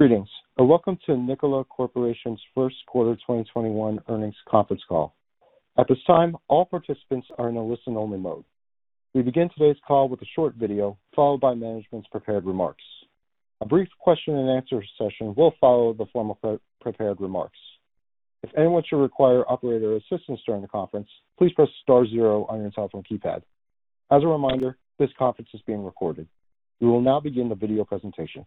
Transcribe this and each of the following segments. Greetings, and welcome to Nikola Corporation's first quarter 2021 earnings conference call. At this time, all participants are in a listen-only mode. We begin today's call with a short video, followed by management's prepared remarks. A brief question-and-answer session will follow the formal prepared remarks. If anyone should require operator assistance during the conference, please press star zero on your telephone keypad. As a reminder, this conference is being recorded. We will now begin the video presentation.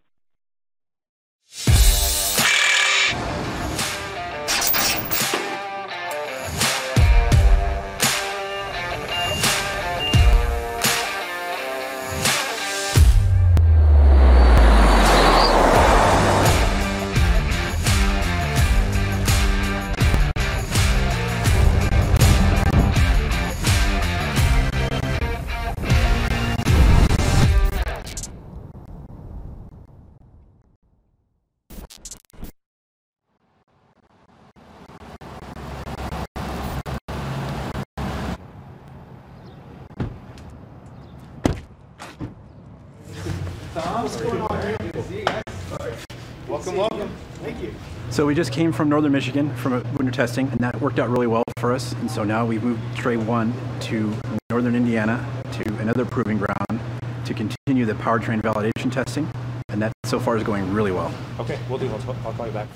Tom, what's going on here? Good to see you guys. Welcome, welcome. Thank you. We just came from Northern Michigan from winter testing; that worked out really well for us. Now we've moved Tre 1 to Northern Indiana to another proving ground to continue the powertrain validation testing. That so far is going really well. Okay, will do. I'll call you back.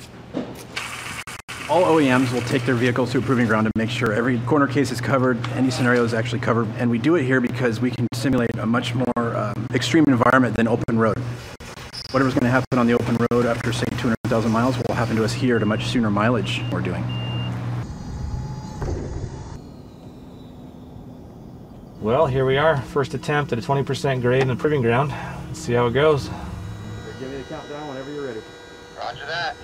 All OEMs will take their vehicles to a proving ground, make sure every corner case is covered, and any scenario is actually covered. We do it here because we can simulate a much more extreme environment than the open road. Whatever's going to happen on the open road after, say, 200,000 miles will happen to us here at a much sooner mileage than we're doing. Well, here we are. First attempt at a 20% grade in the proving ground. Let's see how it goes. Give me the countdown whenever you're ready. Roger that.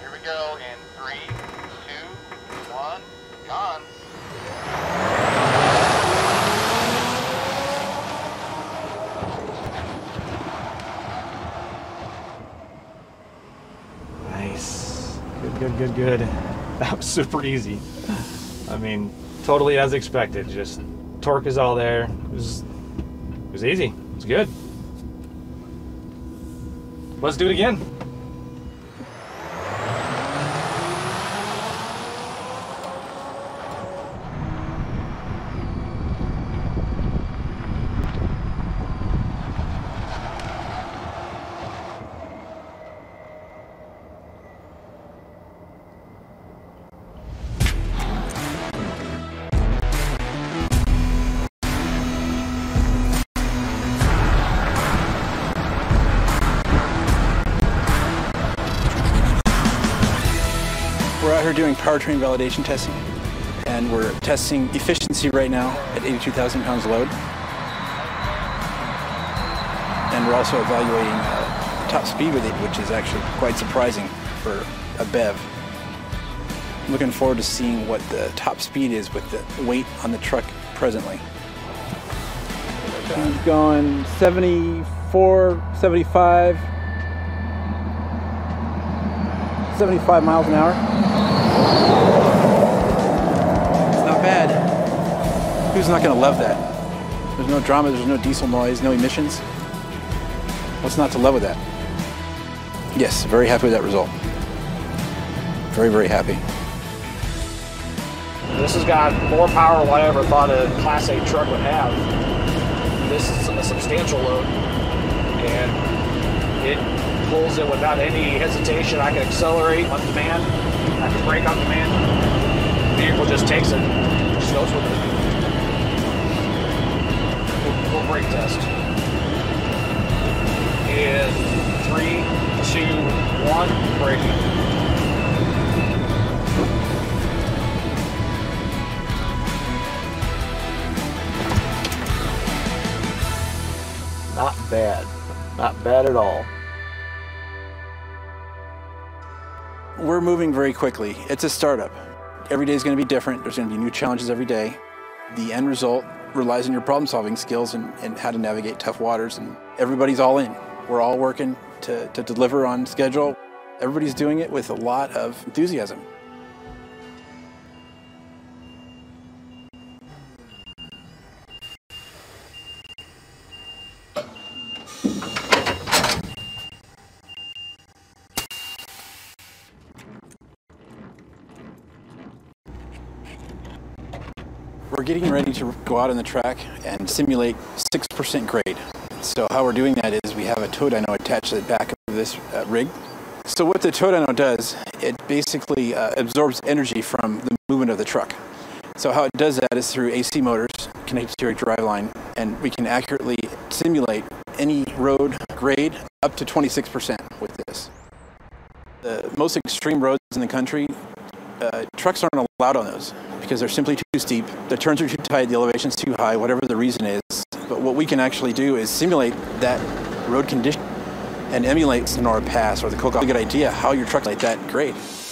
Here we go in three, two, one, gone. Nice. Good. That was super easy. Totally as expected; just torque is all there. It was easy. It was good. Let's do it again. We're out here doing powertrain validation testing, and we're testing efficiency right now at 82,000 pounds of load. We're also evaluating top speed with it, which is actually quite surprising for a BEV. I'm looking forward to seeing what the top speed is with the weight on the truck presently. She's going 74, 75 miles an hour. It's not bad. Who's not going to love that? There's no drama, there's no diesel noise, no emissions. What's not to love about that? Yes, very happy with that result. Very happy. This has got more power than I ever thought a Class 8 truck would have. This is a substantial load. It pulls it without any hesitation. I can accelerate on demand, I can brake on demand. The vehicle just takes it. Just goes with it. We'll brake test. In three, two, one, braking. Not bad at all. We're moving very quickly. It's a startup. Every day's going to be different. There's going to be new challenges every day. The end result relies on your problem-solving skills and how to navigate tough waters, and everybody's all in. We're all working to deliver on schedule. Everybody's doing it with a lot of enthusiasm. We're getting ready to go out on the track and simulate 6% grade. How we're doing that is we have a tow dyno attached to the back of this rig. What the tow dyno does, it basically absorbs energy from the movement of the truck. How it does that is through AC motors connected to your driveline, and we can accurately simulate any road grade up to 26% with this. The most extreme roads in the country, trucks aren't allowed on those because they're simply too steep. The turns are too tight, the elevation's too high, whatever the reason is. What we can actually do is simulate that road condition and emulate Sonora Pass or the Cajon Pass. A good idea how your truck like that grade. I don't think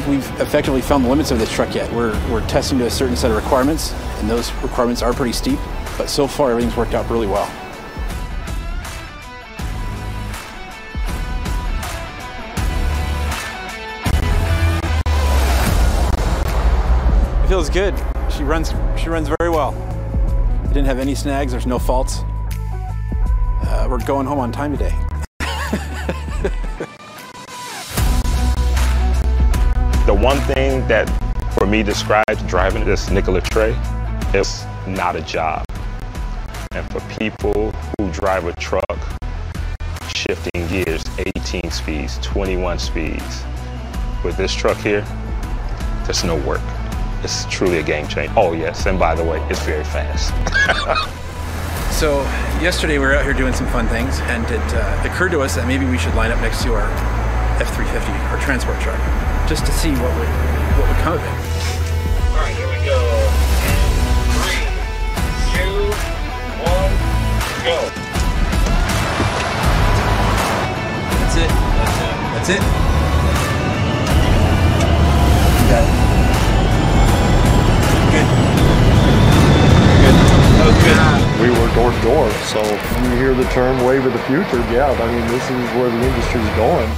we've effectively found the limits of this truck yet. We're testing to a certain set of requirements, and those requirements are pretty steep, but so far everything's worked out really well. It feels good. She runs very well. We didn't have any snags. There's no fault. We're going home on time today. The one thing that, for me, describes driving this Nikola Tre is it's not a job. For people who drive a truck, shifting gears 18 speeds, 21 speeds, with this truck here, it's no work. It's truly a game changer. Oh yes, by the way, it's very fast. Yesterday we were out here doing some fun things, and it occurred to us that maybe we should line up next to our F-350, our transport truck, just to see what would come of it. All right, here we go in three, two, one. Go. That's it. That's it. That's it? Okay. Good. That was good. We work door to door, so when you hear the term wave of the future, yeah, this is where the industry is going.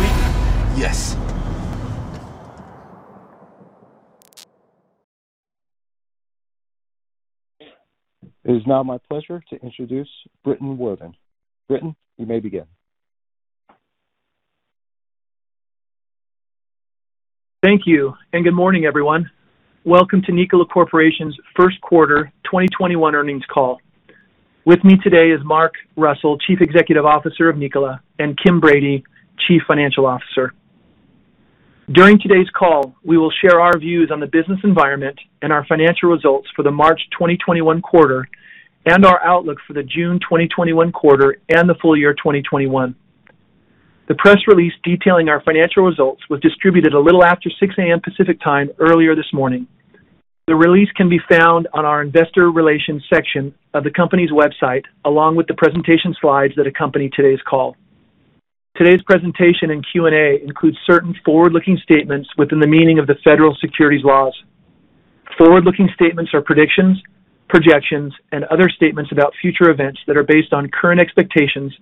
Sweet. Yes. It is now my pleasure to introduce Britton Worthen. Britton, you may begin. Thank you. Good morning, everyone. Welcome to Nikola Corporation's first quarter 2021 earnings call. With me today are Mark Russell, Chief Executive Officer of Nikola, and Kim Brady, Chief Financial Officer. During today's call, we will share our views on the business environment and our financial results for the March 2021 quarter and our outlook for the June 2021 quarter and the full year 2021. The press release detailing our financial results was distributed a little after 6:00 A.M. Pacific Time earlier this morning. The release can be found on our investor relations section of the company's website, along with the presentation slides that accompany today's call. Today's presentation and Q&A include certain forward-looking statements within the meaning of the federal securities laws. Forward-looking statements are predictions, projections, and other statements about future events that are based on current expectations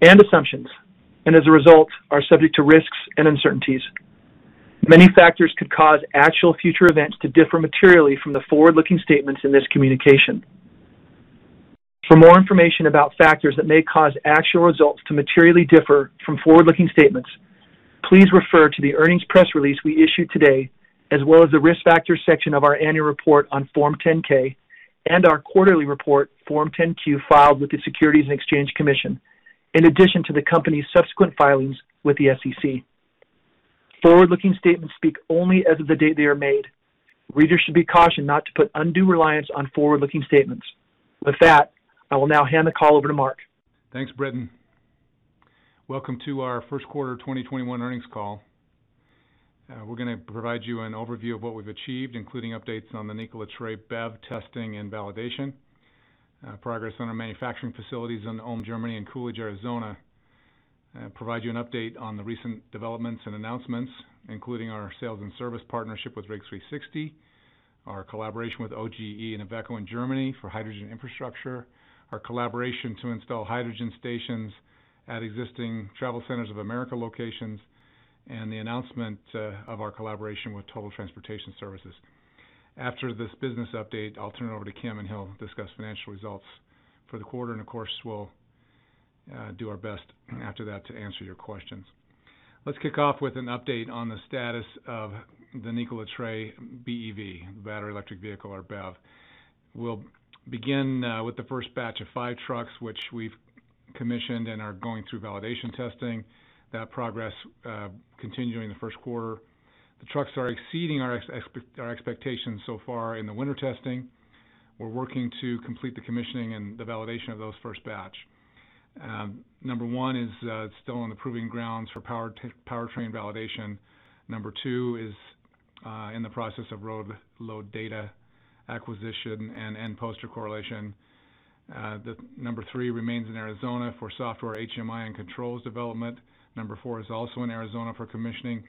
and assumptions and, as a result, are subject to risks and uncertainties. Many factors could cause actual future events to differ materially from the forward-looking statements in this communication. For more information about factors that may cause actual results to materially differ from forward-looking statements, please refer to the earnings press release we issued today, as well as the risk factors section of our annual report on Form 10-K and our quarterly report, Form 10-Q, filed with the Securities and Exchange Commission, in addition to the company's subsequent filings with the SEC. Forward-looking statements speak only as of the date they are made. Readers should be cautioned not to put undue reliance on forward-looking statements. With that, I will now hand the call over to Mark. Thanks, Britton. Welcome to our first quarter 2021 earnings call. We're going to provide you an overview of what we've achieved, including updates on the Nikola Tre BEV testing and validation, progress on our manufacturing facilities in Ulm, Germany, and Coolidge, Arizona, and provide you an update on the recent developments and announcements, including our sales and service partnership with RIG360, our collaboration with OGE and IVECO in Germany for hydrogen infrastructure, our collaboration to install hydrogen stations at existing TravelCenters of America locations, and the announcement of our collaboration with Total Transportation Services. After this business update, I'll turn it over to Kim, and he'll discuss financial results for the quarter. Of course, we'll do our best after that to answer your questions. Let's kick off with an update on the status of the Nikola Tre BEV, battery electric vehicle, or BEV. We'll begin with the first batch of five trucks, which we've commissioned and are going through validation testing. That progress continues in the first quarter. The trucks are exceeding our expectations so far in the winter testing. We're working to complete the commissioning and the validation of that first batch. number one is still on the proving grounds for powertrain validation. number two is in the process of road load data acquisition and four-poster correlation. number three remains in Arizona for software HMI and controls development. number four is also in Arizona for commissioning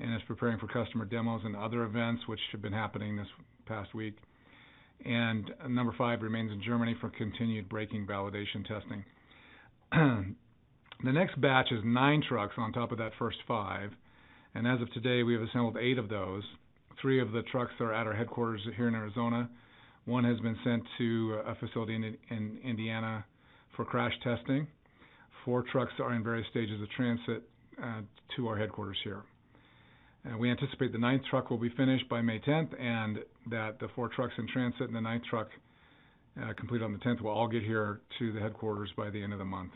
and is preparing for customer demos and other events, which have been happening this past week. Number five remains in Germany for continued braking validation testing. The next batch is nine trucks on top of that first five, and as of today, we have assembled eight of those. Three of the trucks are at our headquarters here in Arizona. One has been sent to a facility in Indiana for crash testing. Four trucks are in various stages of transit to our headquarters here. We anticipate the ninth truck will be finished by May 10th, and that the four trucks in transit and the ninth truck completed on the 10th will all get here to the headquarters by the end of the month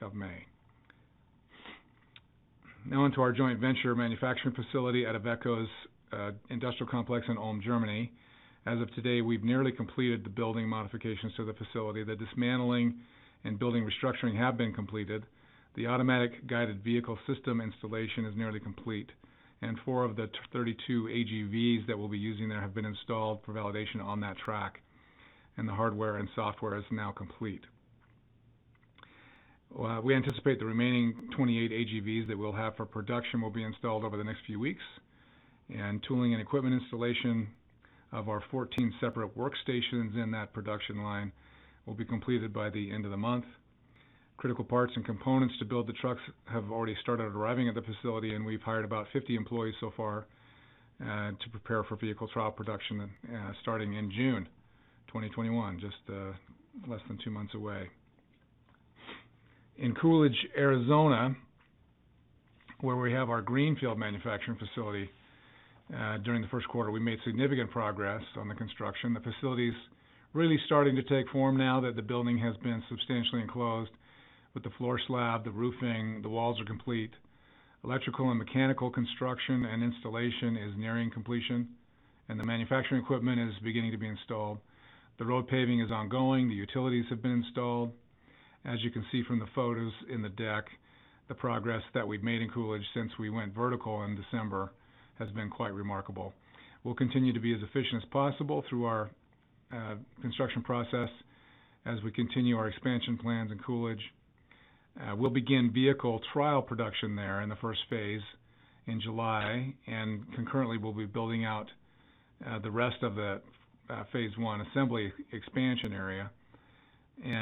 of May. Onto our joint venture manufacturing facility at IVECO;s industrial complex in Ulm, Germany. As of today, we've nearly completed the building modifications to the facility. The dismantling and building restructuring have been completed. The automatic guided vehicle system installation is nearly complete, and four of the 32 AGVs that we'll be using there have been installed for validation on that track; the hardware and software are now complete. We anticipate the remaining 28 AGVs that we'll have for production will be installed over the next few weeks. Tooling and equipment installation of our 14 separate workstations in that production line will be completed by the end of the month. Critical parts and components to build the trucks have already started arriving at the facility. We've hired about 50 employees so far to prepare for vehicle trial production starting in June 2021, just less than two months away. In Coolidge, Arizona, where we have our greenfield manufacturing facility, during the first quarter, we made significant progress on the construction. The facility's really starting to take form now that the building has been substantially enclosed with the floor slab, the roofing, and the walls are complete. Electrical and mechanical construction and installation is nearing completion. The manufacturing equipment is beginning to be installed. The road paving is ongoing. The utilities have been installed. As you can see from the photos in the deck, the progress that we've made in Coolidge since we went vertical in December has been quite remarkable. We'll continue to be as efficient as possible through our construction process as we continue our expansion plans in Coolidge. We'll begin vehicle trial production there in the first phase in July, and concurrently, we'll be building out the rest of the phase I assembly expansion area.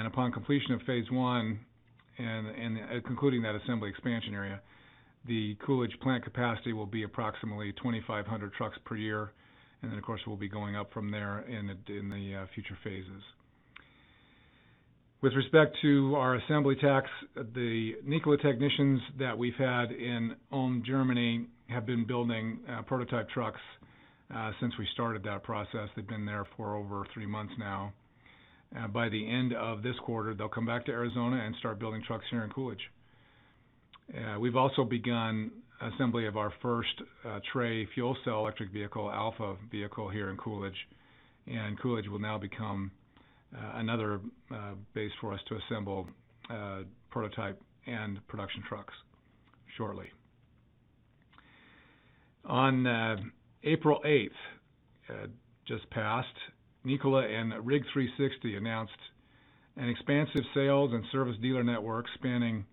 Upon completion of phase I and concluding that assembly expansion area, the Coolidge plant capacity will be approximately 2,500 trucks per year, and then, of course, we'll be going up from there in the future phases. With respect to our assembly techs, the Nikola technicians that we've had in Ulm, Germany, have been building prototype trucks since we started that process. They've been there for over three months now. By the end of this quarter, they'll come back to Arizona and start building trucks here in Coolidge. We've also begun assembly of our first Tre fuel cell electric vehicle (FCEV), Alpha vehicle here in Coolidge, and Coolidge will now become another base for us to assemble prototype and production trucks shortly. On April 8th, just passed, Nikola and Rig360 announced an expansive sales and service dealer network spanning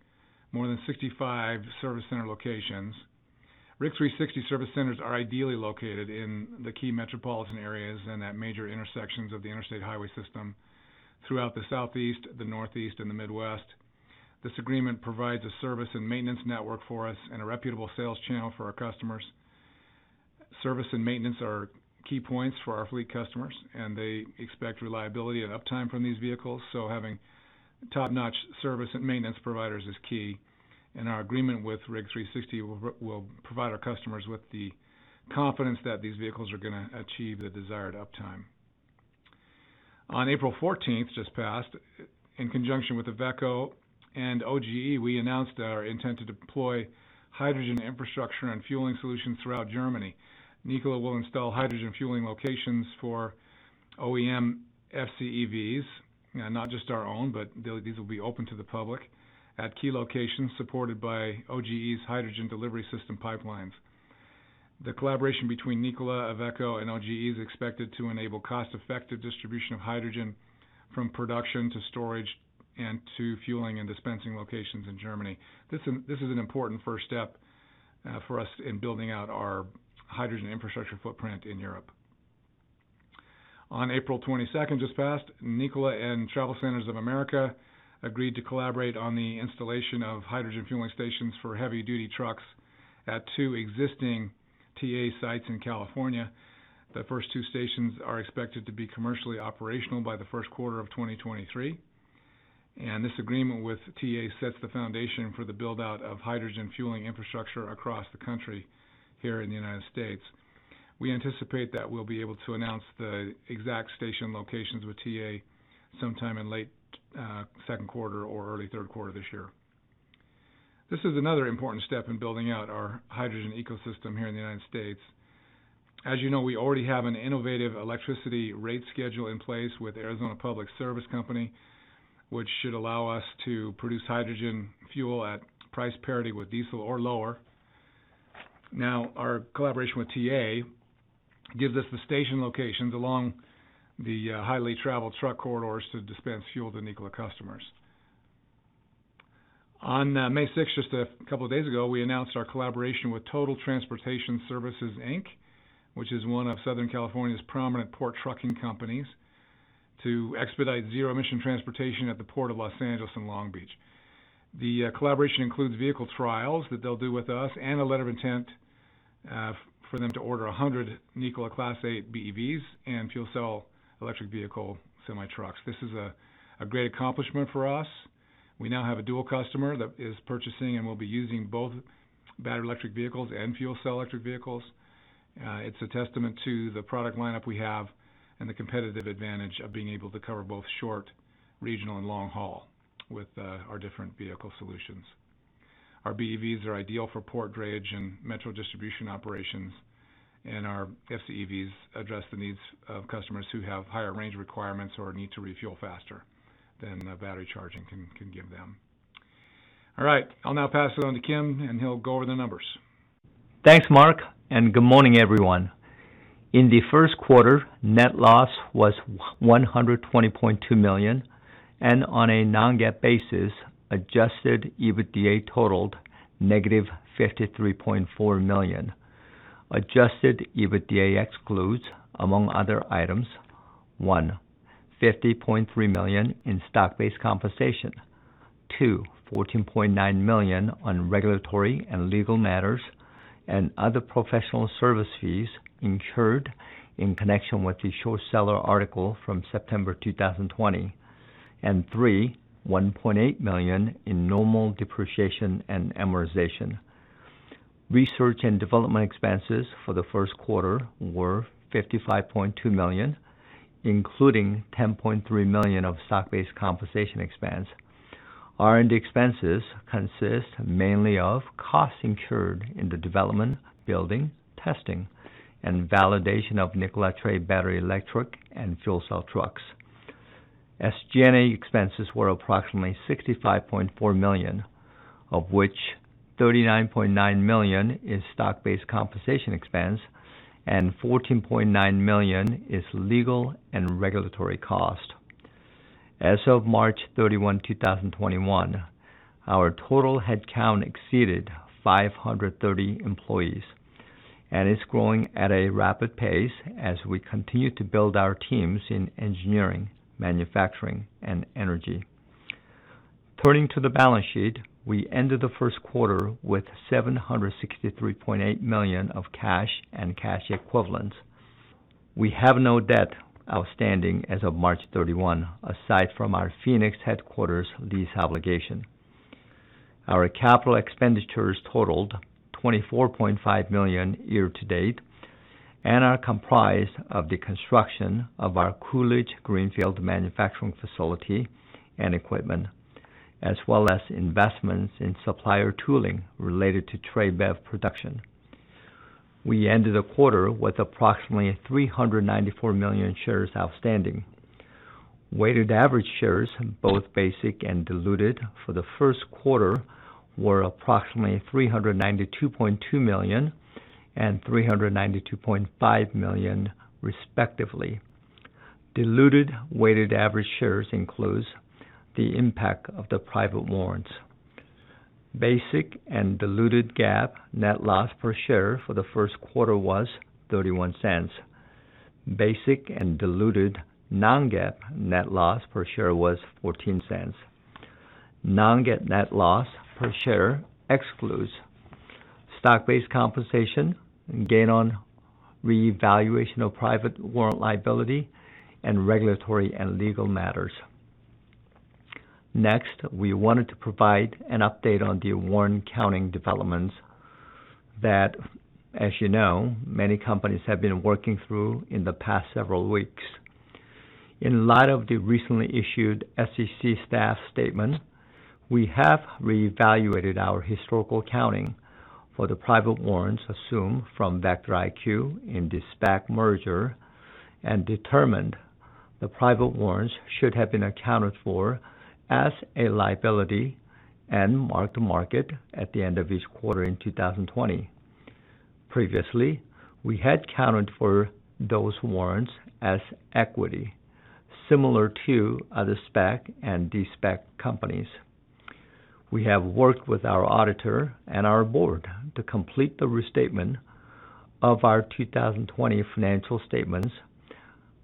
more than 65 service center locations. RIG360 service centers are ideally located in the key metropolitan areas and at major intersections of the interstate highway system throughout the Southeast, the Northeast, and the Midwest. This agreement provides a service and maintenance network for us and a reputable sales channel for our customers. Service and maintenance are key points for our fleet customers, and they expect reliability and uptime from these vehicles, so having top-notch service and maintenance providers is key. Our agreement with RIG360 will provide our customers with the confidence that these vehicles are going to achieve the desired uptime. On April 14th, just passed, in conjunction with IVECO and OGE, we announced our intent to deploy hydrogen infrastructure and fueling solutions throughout Germany. Nikola will install hydrogen fueling locations for OEM FCEVs, not just our own, but these will be open to the public at key locations supported by OGE's hydrogen delivery system pipelines. The collaboration between Nikola, IVECO, and OGE is expected to enable cost-effective distribution of hydrogen from production to storage and to fueling and dispensing locations in Germany. This is an important first step for us in building out our hydrogen infrastructure footprint in Europe. On April 22nd, just passed, Nikola and TravelCenters of America agreed to collaborate on the installation of hydrogen fueling stations for heavy-duty trucks at two existing TA sites in California. The first two stations are expected to be commercially operational by the first quarter of 2023. This agreement with TA sets the foundation for the build-out of hydrogen fueling infrastructure across the country here in the United States. We anticipate that we'll be able to announce the exact station locations with TA sometime in late second quarter or early third quarter this year. This is another important step in building out our hydrogen ecosystem here in the United States. You know, we already have an innovative electricity rate schedule in place with Arizona Public Service Company, which should allow us to produce hydrogen fuel at price parity with diesel or lower. Now, our collaboration with TA gives us the station locations along the highly traveled truck corridors to dispense fuel to Nikola customers. On May 6th, just a couple of days ago, we announced our collaboration with Total Transportation Services Inc., which is one of Southern California's prominent port trucking companies, to expedite zero-emission transportation at the Port of Los Angeles and Long Beach. The collaboration includes vehicle trials that they'll do with us and a letter of intent for them to order 100 Nikola Class 8 BEVs and fuel cell electric vehicle (FCEV) semi-trucks. This is a great accomplishment for us. We now have a dual customer that is purchasing and will be using both battery electric vehicles (BEVs) and fuel cell electric vehicles (FCEVs). It's a testament to the product lineup we have and the competitive advantage of being able to cover both short, regional, and long-haul with our different vehicle solutions. Our BEVs are ideal for port drayage and metro distribution operations, and our FCEVs address the needs of customers who have higher range requirements or need to refuel faster than battery charging can give them. All right. I'll now pass it on to Kim, and he'll go over the numbers. Thanks, Mark, good morning, everyone. In the first quarter, net loss was $120.2 million. On a non-GAAP basis, adjusted EBITDA totaled negative $53.4 million. Adjusted EBITDA excludes, among other items, one, $50.3 million in stock-based compensation; two, $14.9 million on regulatory and legal matters and other professional service fees incurred in connection with the short seller article from September 2020; and three, $1.8 million in normal depreciation and amortization. Research and development expenses for the first quarter were $55.2 million, including $10.3 million of stock-based compensation expense. R&D expenses consist mainly of costs incurred in the development, building, testing, and validation of Nikola Tre battery-electric and fuel cell trucks. SG&A expenses were approximately $65.4 million, of which $39.9 million is stock-based compensation expense and $14.9 million is legal and regulatory cost. As of March 31, 2021, our total headcount exceeded 530 employees and is growing at a rapid pace as we continue to build our teams in engineering, manufacturing, and energy. Turning to the balance sheet, we ended the first quarter with $763.8 million of cash and cash equivalents. We have no debt outstanding as of March 31, aside from our Phoenix headquarters lease obligation. Our capital expenditures totaled $24.5 million year to date and are comprised of the construction of our Coolidge Greenfield manufacturing facility and equipment, as well as investments in supplier tooling related to Tre BEV production. We ended the quarter with approximately 394 million shares outstanding. Weighted average shares, both basic and diluted, for the first quarter were approximately 392.2 million and 392.5 million, respectively. Diluted weighted average shares include the impact of the private warrants. Basic and diluted GAAP net loss per share for the first quarter was $0.31. Basic and diluted non-GAAP net loss per share was $0.14. Non-GAAP net loss per share excludes stock-based compensation, gain on revaluation of private warrant liability, and regulatory and legal matters. Next, we wanted to provide an update on the warrant accounting developments that, as you know, many companies have been working through in the past several weeks. In light of the recently issued SEC staff statement, we have reevaluated our historical accounting for the private warrants assumed from VectoIQ in the SPAC merger and determined the private warrants should have been accounted for as a liability and marked to market at the end of each quarter in 2020. Previously, we had accounted for those warrants as equity, similar to other SPAC and de-SPAC companies. We have worked with our auditor and our board to complete the restatement of our 2020 financial statements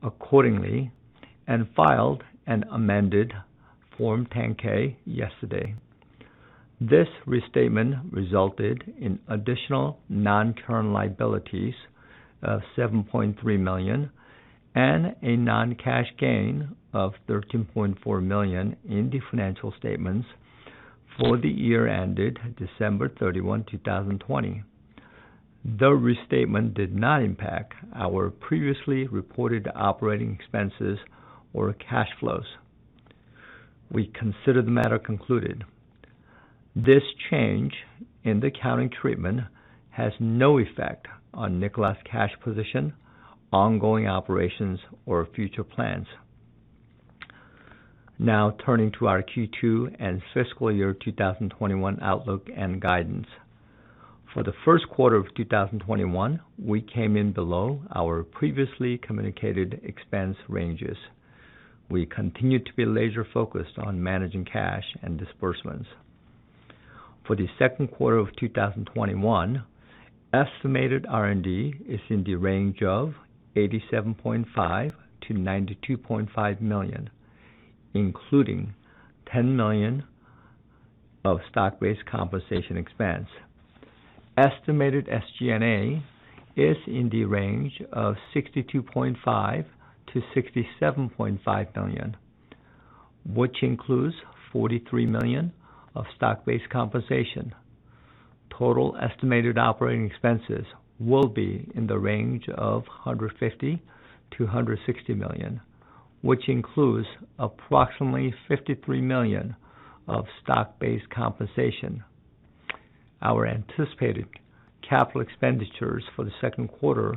accordingly and filed an amended Form 10-K yesterday. This restatement resulted in additional non-current liabilities of $7.3 million and a non-cash gain of $13.4 million in the financial statements for the year ended December 31, 2020. The restatement did not impact our previously reported operating expenses or cash flows. We consider the matter concluded. This change in the accounting treatment has no effect on Nikola's cash position, ongoing operations, or future plans. Now turning to our Q2 and fiscal year 2021 outlook and guidance. For the first quarter of 2021, we came in below our previously communicated expense ranges. We continue to be laser-focused on managing cash and disbursements. For the second quarter of 2021, estimated R&D is in the range of $87.5 million-$92.5 million, including $10 million of stock-based compensation expense. Estimated SG&A is in the range of $62.5 million-$67.5 million, which includes $43 million of stock-based compensation. Total estimated operating expenses will be in the range of $150 million-$160 million, which includes approximately $53 million of stock-based compensation. Our anticipated capital expenditures for the second quarter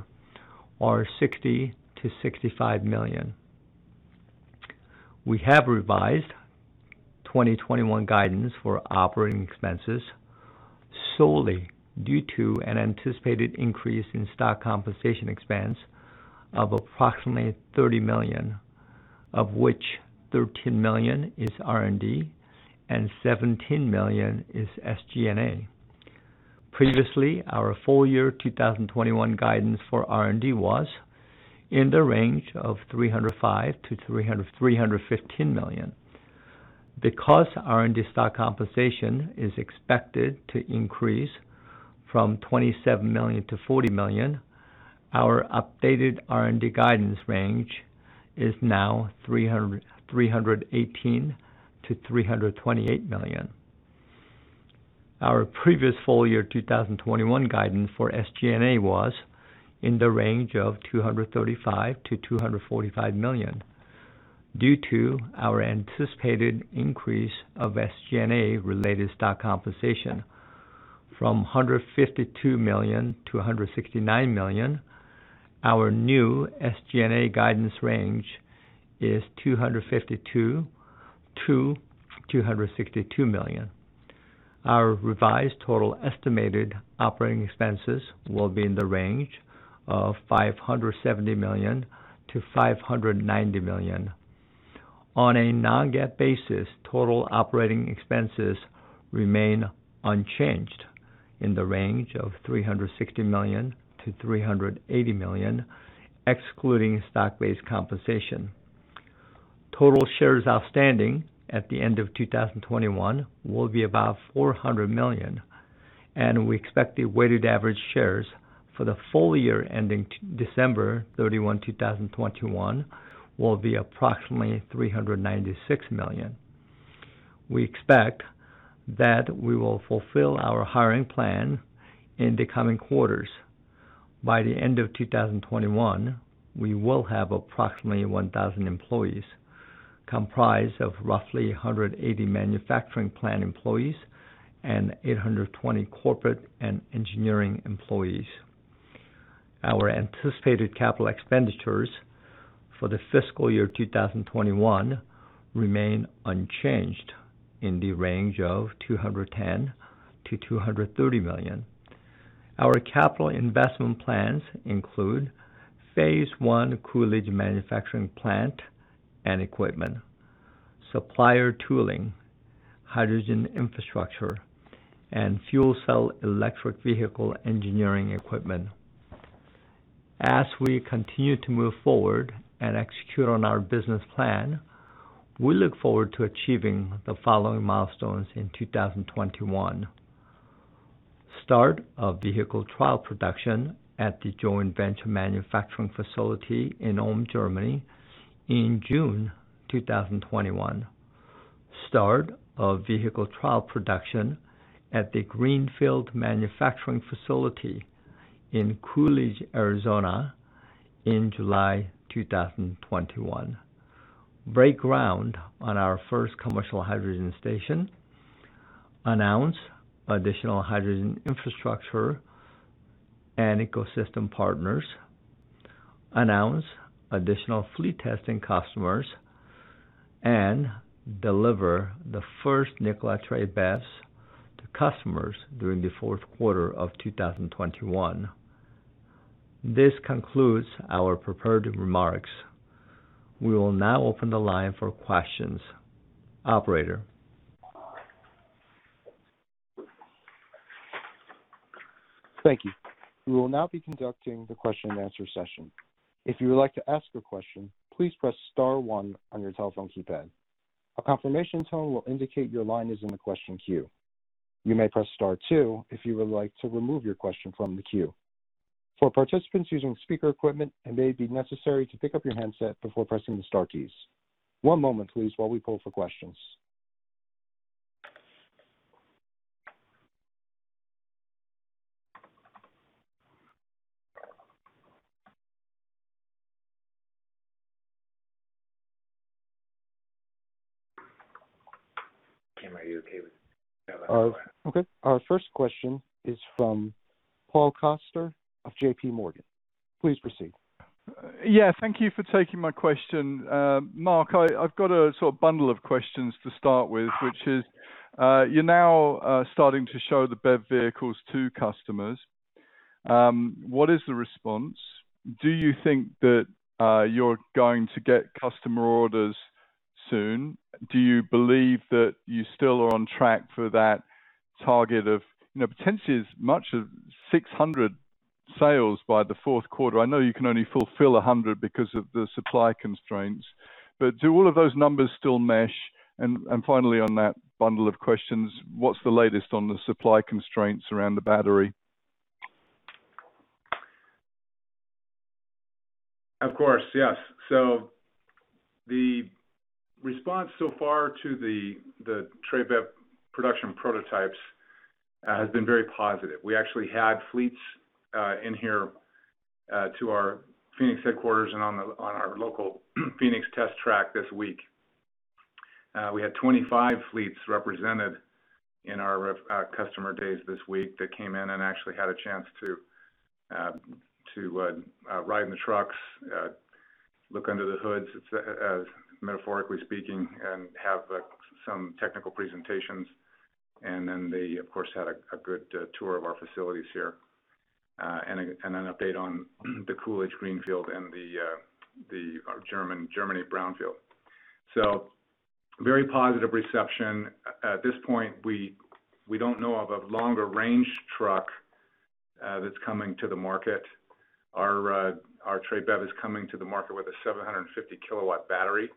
are $60 million-$65 million. We have revised 2021 guidance for operating expenses solely due to an anticipated increase in stock compensation expense of approximately $30 million, of which $13 million is R&D and $17 million is SG&A. Previously, our full-year 2021 guidance for R&D was in the range of $305 million-$315 million. Because R&D stock compensation is expected to increase from $27 million to $40 million, our updated R&D guidance range is now $318 million-$328 million. Our previous full-year 2021 guidance for SG&A was in the range of $235 million-$245 million. Due to our anticipated increase of SG&A related stock compensation from $152 million to $169 million, our new SG&A guidance range is $252 million-$262 million. Our revised total estimated operating expenses will be in the range of $570 million-$590 million. On a non-GAAP basis, total operating expenses remain unchanged in the range of $360 million-$380 million, excluding stock-based compensation. Total shares outstanding at the end of 2021 will be about 400 million, and we expect the weighted average shares for the full year ending December 31, 2021, will be approximately 396 million. We expect that we will fulfill our hiring plan in the coming quarters. By the end of 2021, we will have approximately 1,000 employees, comprised of roughly 180 manufacturing plant employees and 820 corporate and engineering employees. Our anticipated capital expenditures for the fiscal year 2021 remain unchanged in the range of $210 million-$230 million. Our capital investment plans include phase I Coolidge manufacturing plant and equipment, supplier tooling, hydrogen infrastructure, and fuel cell electric vehicle (FCEV) engineering equipment. As we continue to move forward and execute on our business plan, we look forward to achieving the following milestones in 2021. Start of vehicle trial production at the joint venture manufacturing facility in Ulm, Germany, in June 2021. Start of vehicle trial production at the greenfield manufacturing facility in Coolidge, Arizona, in July 2021. Break ground on our first commercial hydrogen station. Announce additional hydrogen infrastructure and ecosystem partners. Announce additional fleet testing customers, and deliver the first Nikola Tre BEV to customers during the fourth quarter of 2021. This concludes our prepared remarks. We will now open the line for questions. Operator? Thank you. We will now be conducting the question-and-answer session. If you would like to ask a question, please press star one on your telephone keypad. A confirmation tone will indicate your line is in the question queue. You may press star two if you would like to remove your question from the queue. For participants using speaker equipment, it may be necessary to pick up your handset before pressing the star keys. One moment please while we poll for questions. Kim, are you okay with that? Okay, our first question is from Paul Coster of JPMorgan. Please proceed. Yeah, thank you for taking my question. Mark, I've got a bundle of questions to start with, which is, you're now starting to show the BEV vehicles to customers. What is the response? Do you think that you're going to get customer orders soon? Do you believe that you still are on track for that target of potentially as much as 600 sales by the fourth quarter? I know you can only fulfill 100 because of the supply constraints, but do all of those numbers still mesh? Finally, on that bundle of questions, what's the latest on the supply constraints around the battery? Of course, yes. The response so far to the Nikola Tre BEV production prototypes has been very positive. We actually had fleets in here at our Phoenix headquarters and on our local Phoenix test track this week. We had 25 fleets represented in our customer days this week that came in and actually had a chance to ride in the trucks, look under the hoods, metaphorically speaking, and have some technical presentations. They, of course, had a good tour of our facilities here and an update on the Coolidge Greenfield and the Germany brownfield. Very positive reception. At this point, we don't know of a longer-range truck that's coming to the market. Our Nikola Tre BEV is coming to the market with a 750 kWh battery.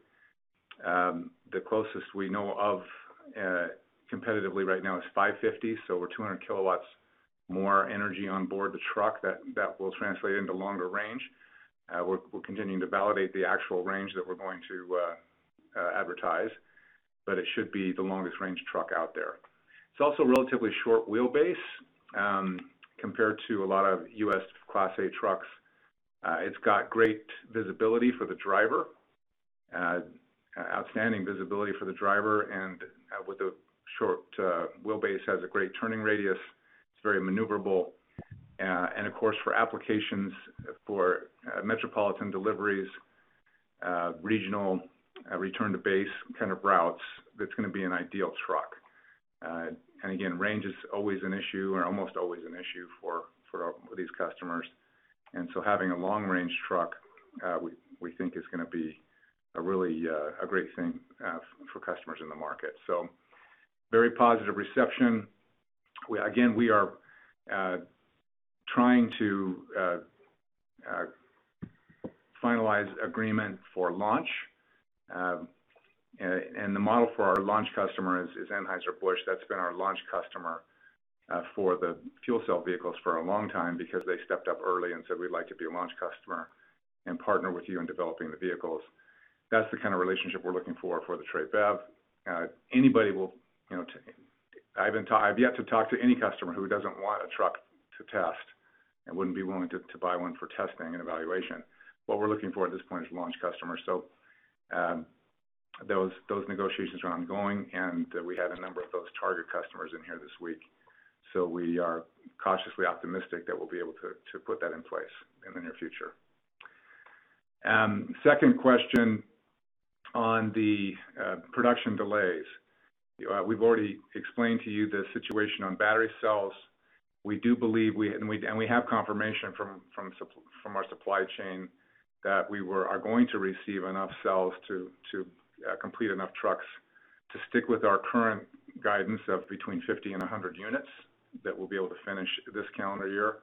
The closest we know of competitively right now is 550, so we're 200 kWh more energy on board the truck. That will translate into longer range. We're continuing to validate the actual range that we're going to advertise, but it should be the longest-range truck out there. It's also relatively short wheelbase compared to a lot of U.S. Class 8 trucks. It's got great visibility for the driver, outstanding visibility for the driver, a short wheelbase, and a great turning radius. It's very maneuverable. Of course, for applications for metropolitan deliveries and regional return-to-base kind of routes, that's going to be an ideal truck. Again, range is always an issue, or almost always an issue, for these customers. Having a long-range truck we think is going to be a really great thing for customers in the market. Very positive reception. Again, we are trying to finalize an agreement for launch. The model for our launch customer is Anheuser-Busch. That's been our launch customer for the fuel cell vehicles for a long time because they stepped up early and said, We'd like to be a launch customer and partner with you in developing the vehicles. That's the kind of relationship we're looking for for the Tre BEV. I've yet to talk to any customer who doesn't want a truck to test and wouldn't be willing to buy one for testing and evaluation. What we're looking for at this point is launch customers. Those negotiations are ongoing, and we had a number of those target customers in here this week, so we are cautiously optimistic that we'll be able to put that in place in the near future. Second question on the production delays. We've already explained to you the situation on battery cells. We do believe, and we have confirmation from our supply chain, that we are going to receive enough cells to complete enough trucks to stick with our current guidance of between 50 and 100 units that we'll be able to finish this calendar year.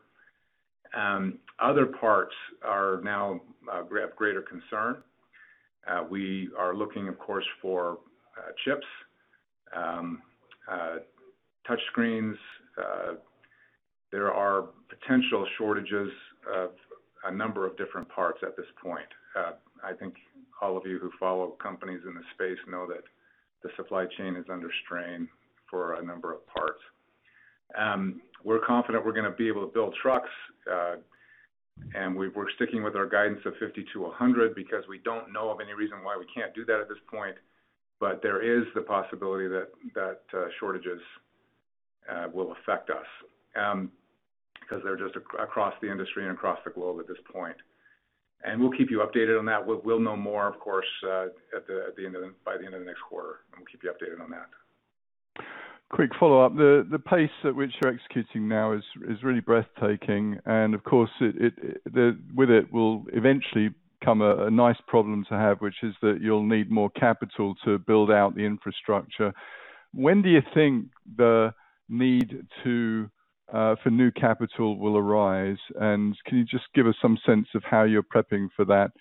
Other parts are now of greater concern. We are looking, of course, for chips and touchscreens. There are potential shortages of a number of different parts at this point. I think all of you who follow companies in the space know that the supply chain is under strain for a number of parts. We're confident we're going to be able to build trucks, and we're sticking with our guidance of 50-100 because we don't know of any reason why we can't do that at this point. There is the possibility that shortages will affect us, because they're just across the industry and across the globe at this point. We'll keep you updated on that. We'll know more, of course, by the end of the next quarter, and we'll keep you updated on that. Quick follow-up. The pace at which you're executing now is really breathtaking, and of course, with it will eventually come a nice problem to have, which is that you'll need more capital to build out the infrastructure. When do you think the need for new capital will arise, and can you just give us some sense of how you're prepping for that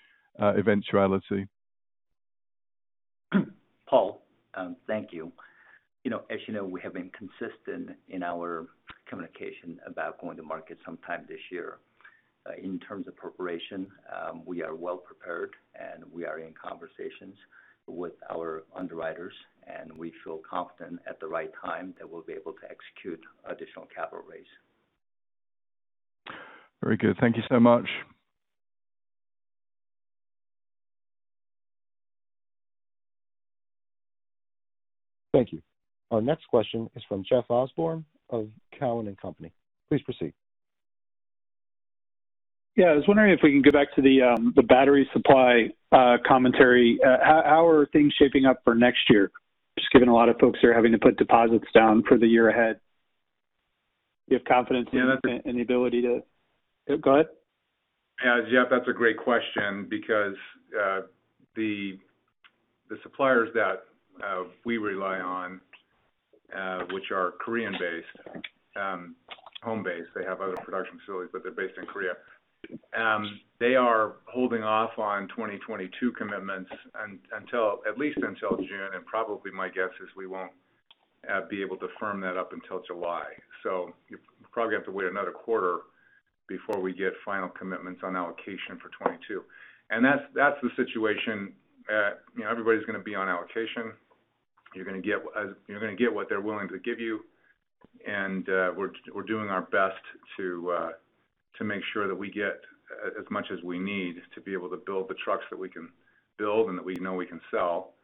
eventuality? Paul, thank you. As you know, we have been consistent in our communication about going to market sometime this year. In terms of preparation, we are well prepared, and we are in conversations with our underwriters, and we feel confident that at the right time we'll be able to execute an additional capital raise. Very good. Thank you so much. Thank you. Our next question is from Jeff Osborne of Cowen and Company. Please proceed. Yeah, I was wondering if we could go back to the battery supply commentary. How are things shaping up for next year? Just given that a lot of folks are having to put deposits down for the year ahead. Do you have confidence in the ability? Go ahead. Yeah, Jeff, that's a great question because the suppliers that we rely on, which are Korean-based and home-based, have other production facilities, but they're based in Korea. They are holding off on 2022 commitments at least until June. Probably my guess is we won't be able to firm that up until July. You probably have to wait another quarter before we get final commitments on allocation for 2022. That's the situation. Everybody's going to be on allocation. You're going to get what they're willing to give you. We're doing our best to make sure that we get as much as we need to be able to build the trucks that we can build and that we know we can sell,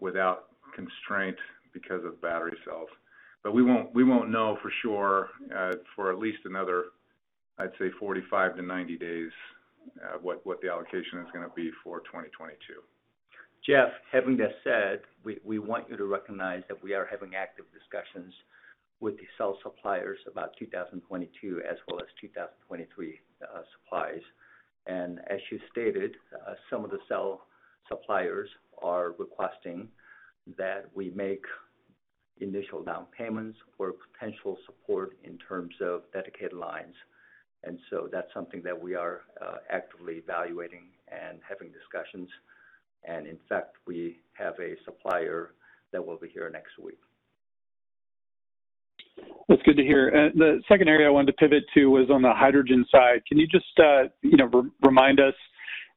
without constraint because of battery cells. We won't know for sure for at least another, I'd say, 45-90 days what the allocation is going to be for 2022. Jeff, having that said, we want you to recognize that we are having active discussions with the cell suppliers about 2022 as well as 2023 supplies. As you stated, some of the cell suppliers are requesting that we make initial down payments for potential support in terms of dedicated lines. That's something that we are actively evaluating and having discussions about. In fact, we have a supplier that will be here next week. That's good to hear. The second area I wanted to pivot to was on the hydrogen side. Can you just remind us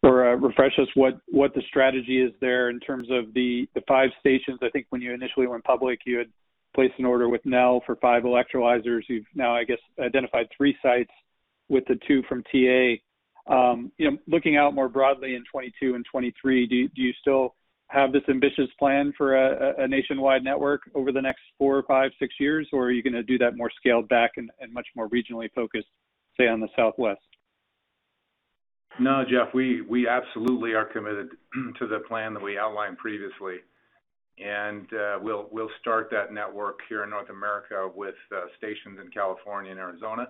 or refresh us on what the strategy is there in terms of the five stations? I think when you initially went public, you had placed an order with Nel for five electrolyzers. You've now, I guess, identified three sites with the two from TA. Looking out more broadly in 2022 and 2023, do you still have this ambitious plan for a nationwide network over the next four, five, or six years? Are you going to do that more scaled back and much more regionally focused, say, on the Southwest? No, Jeffrey, we absolutely are committed to the plan that we outlined previously. We'll start that network here in North America with stations in California and Arizona.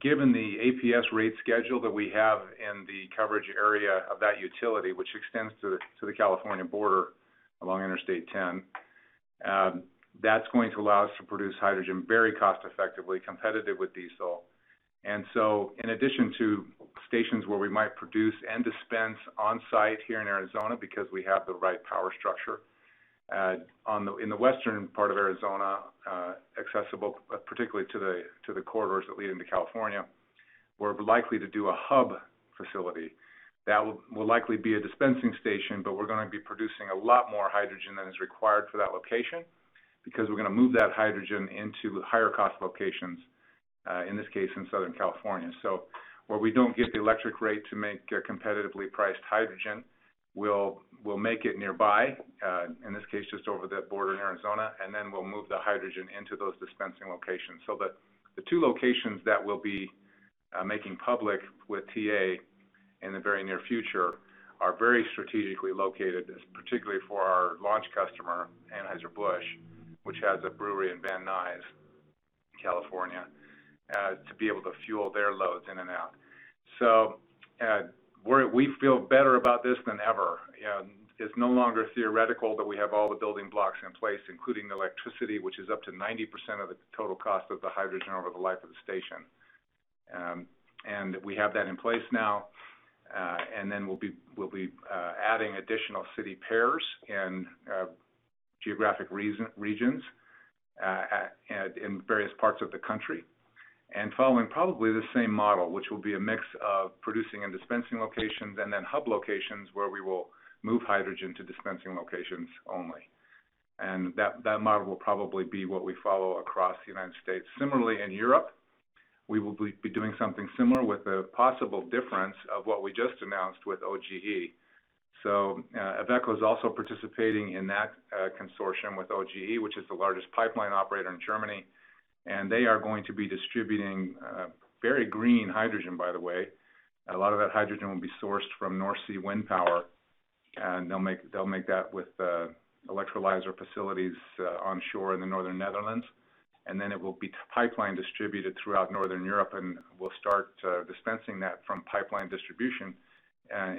Given the APS rate schedule that we have in the coverage area of that utility, which extends to the California border along Interstate 10, that's going to allow us to produce hydrogen very cost effectively, competitive with diesel. In addition to stations where we might produce and dispense on-site here in Arizona because we have the right power structure in the western part of Arizona, accessible particularly to the corridors that lead into California, we're likely to do a hub facility. That will likely be a dispensing station, but we're going to be producing a lot more hydrogen than is required for that location because we're going to move that hydrogen into higher-cost locations, in this case, in Southern California. Where we don't get the electric rate to make competitively priced hydrogen, we'll make it nearby, in this case, just over that border in Arizona, and then we'll move the hydrogen into those dispensing locations. The two locations that we'll be making public with TA in the very near future are very strategically located, particularly for our launch customer, Anheuser-Busch, which has a brewery in Van Nuys, California, to be able to fuel their loads in and out. We feel better about this than ever. It's no longer theoretical that we have all the building blocks in place, including the electricity, which is up to 90% of the total cost of the hydrogen over the life of the station. We have that in place now, and then we'll be adding additional city pairs and geographic regions in various parts of the country. Following probably the same model, which will be a mix of producing and dispensing locations and then hub locations where we will move hydrogen to dispensing locations only. That model will probably be what we follow across the United States. Similarly in Europe, we will be doing something similar with the possible difference of what we just announced with OGE. IVECO is also participating in that consortium with OGE, which is the largest pipeline operator in Germany. They are going to be distributing very green hydrogen, by the way. A lot of that hydrogen will be sourced from North Sea Wind Power. They'll make that with electrolyzer facilities onshore in the northern Netherlands. Then it will be pipeline distributed throughout Northern Europe. We'll start dispensing that from pipeline distribution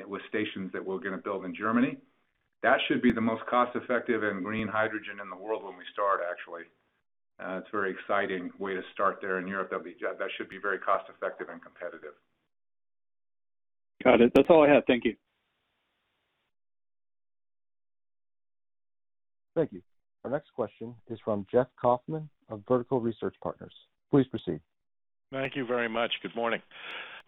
with stations that we're going to build in Germany. That should be the most cost-effective and green hydrogen in the world when we start, actually. It is a very exciting way to start there in Europe. That should be very cost-effective and competitive. Got it. That's all I have. Thank you. Thank you. Our next question is from Jeff Kauffman of Vertical Research Partners. Please proceed. Thank you very much. Good morning.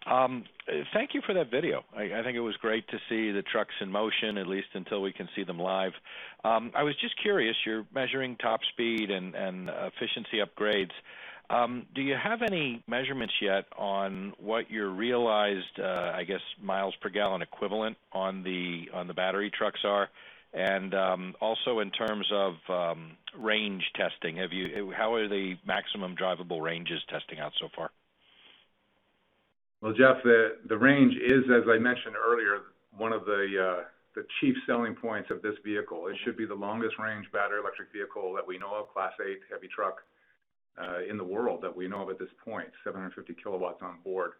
Thank you for that video. I think it was great to see the trucks in motion, at least until we can see them live. I was just curious; you're measuring top speed and efficiency upgrades. Do you have any measurements yet on what your realized, I guess, miles per gallon equivalent on the battery trucks are? Also in terms of range testing, how are the maximum drivable ranges testing out so far? Jeff, the range is, as I mentioned earlier, one of the chief selling points of this vehicle. It should be the longest-range battery-electric vehicle that we know of, Class 8 heavy truck, in the world that we know of at this point, 750 kWh on board.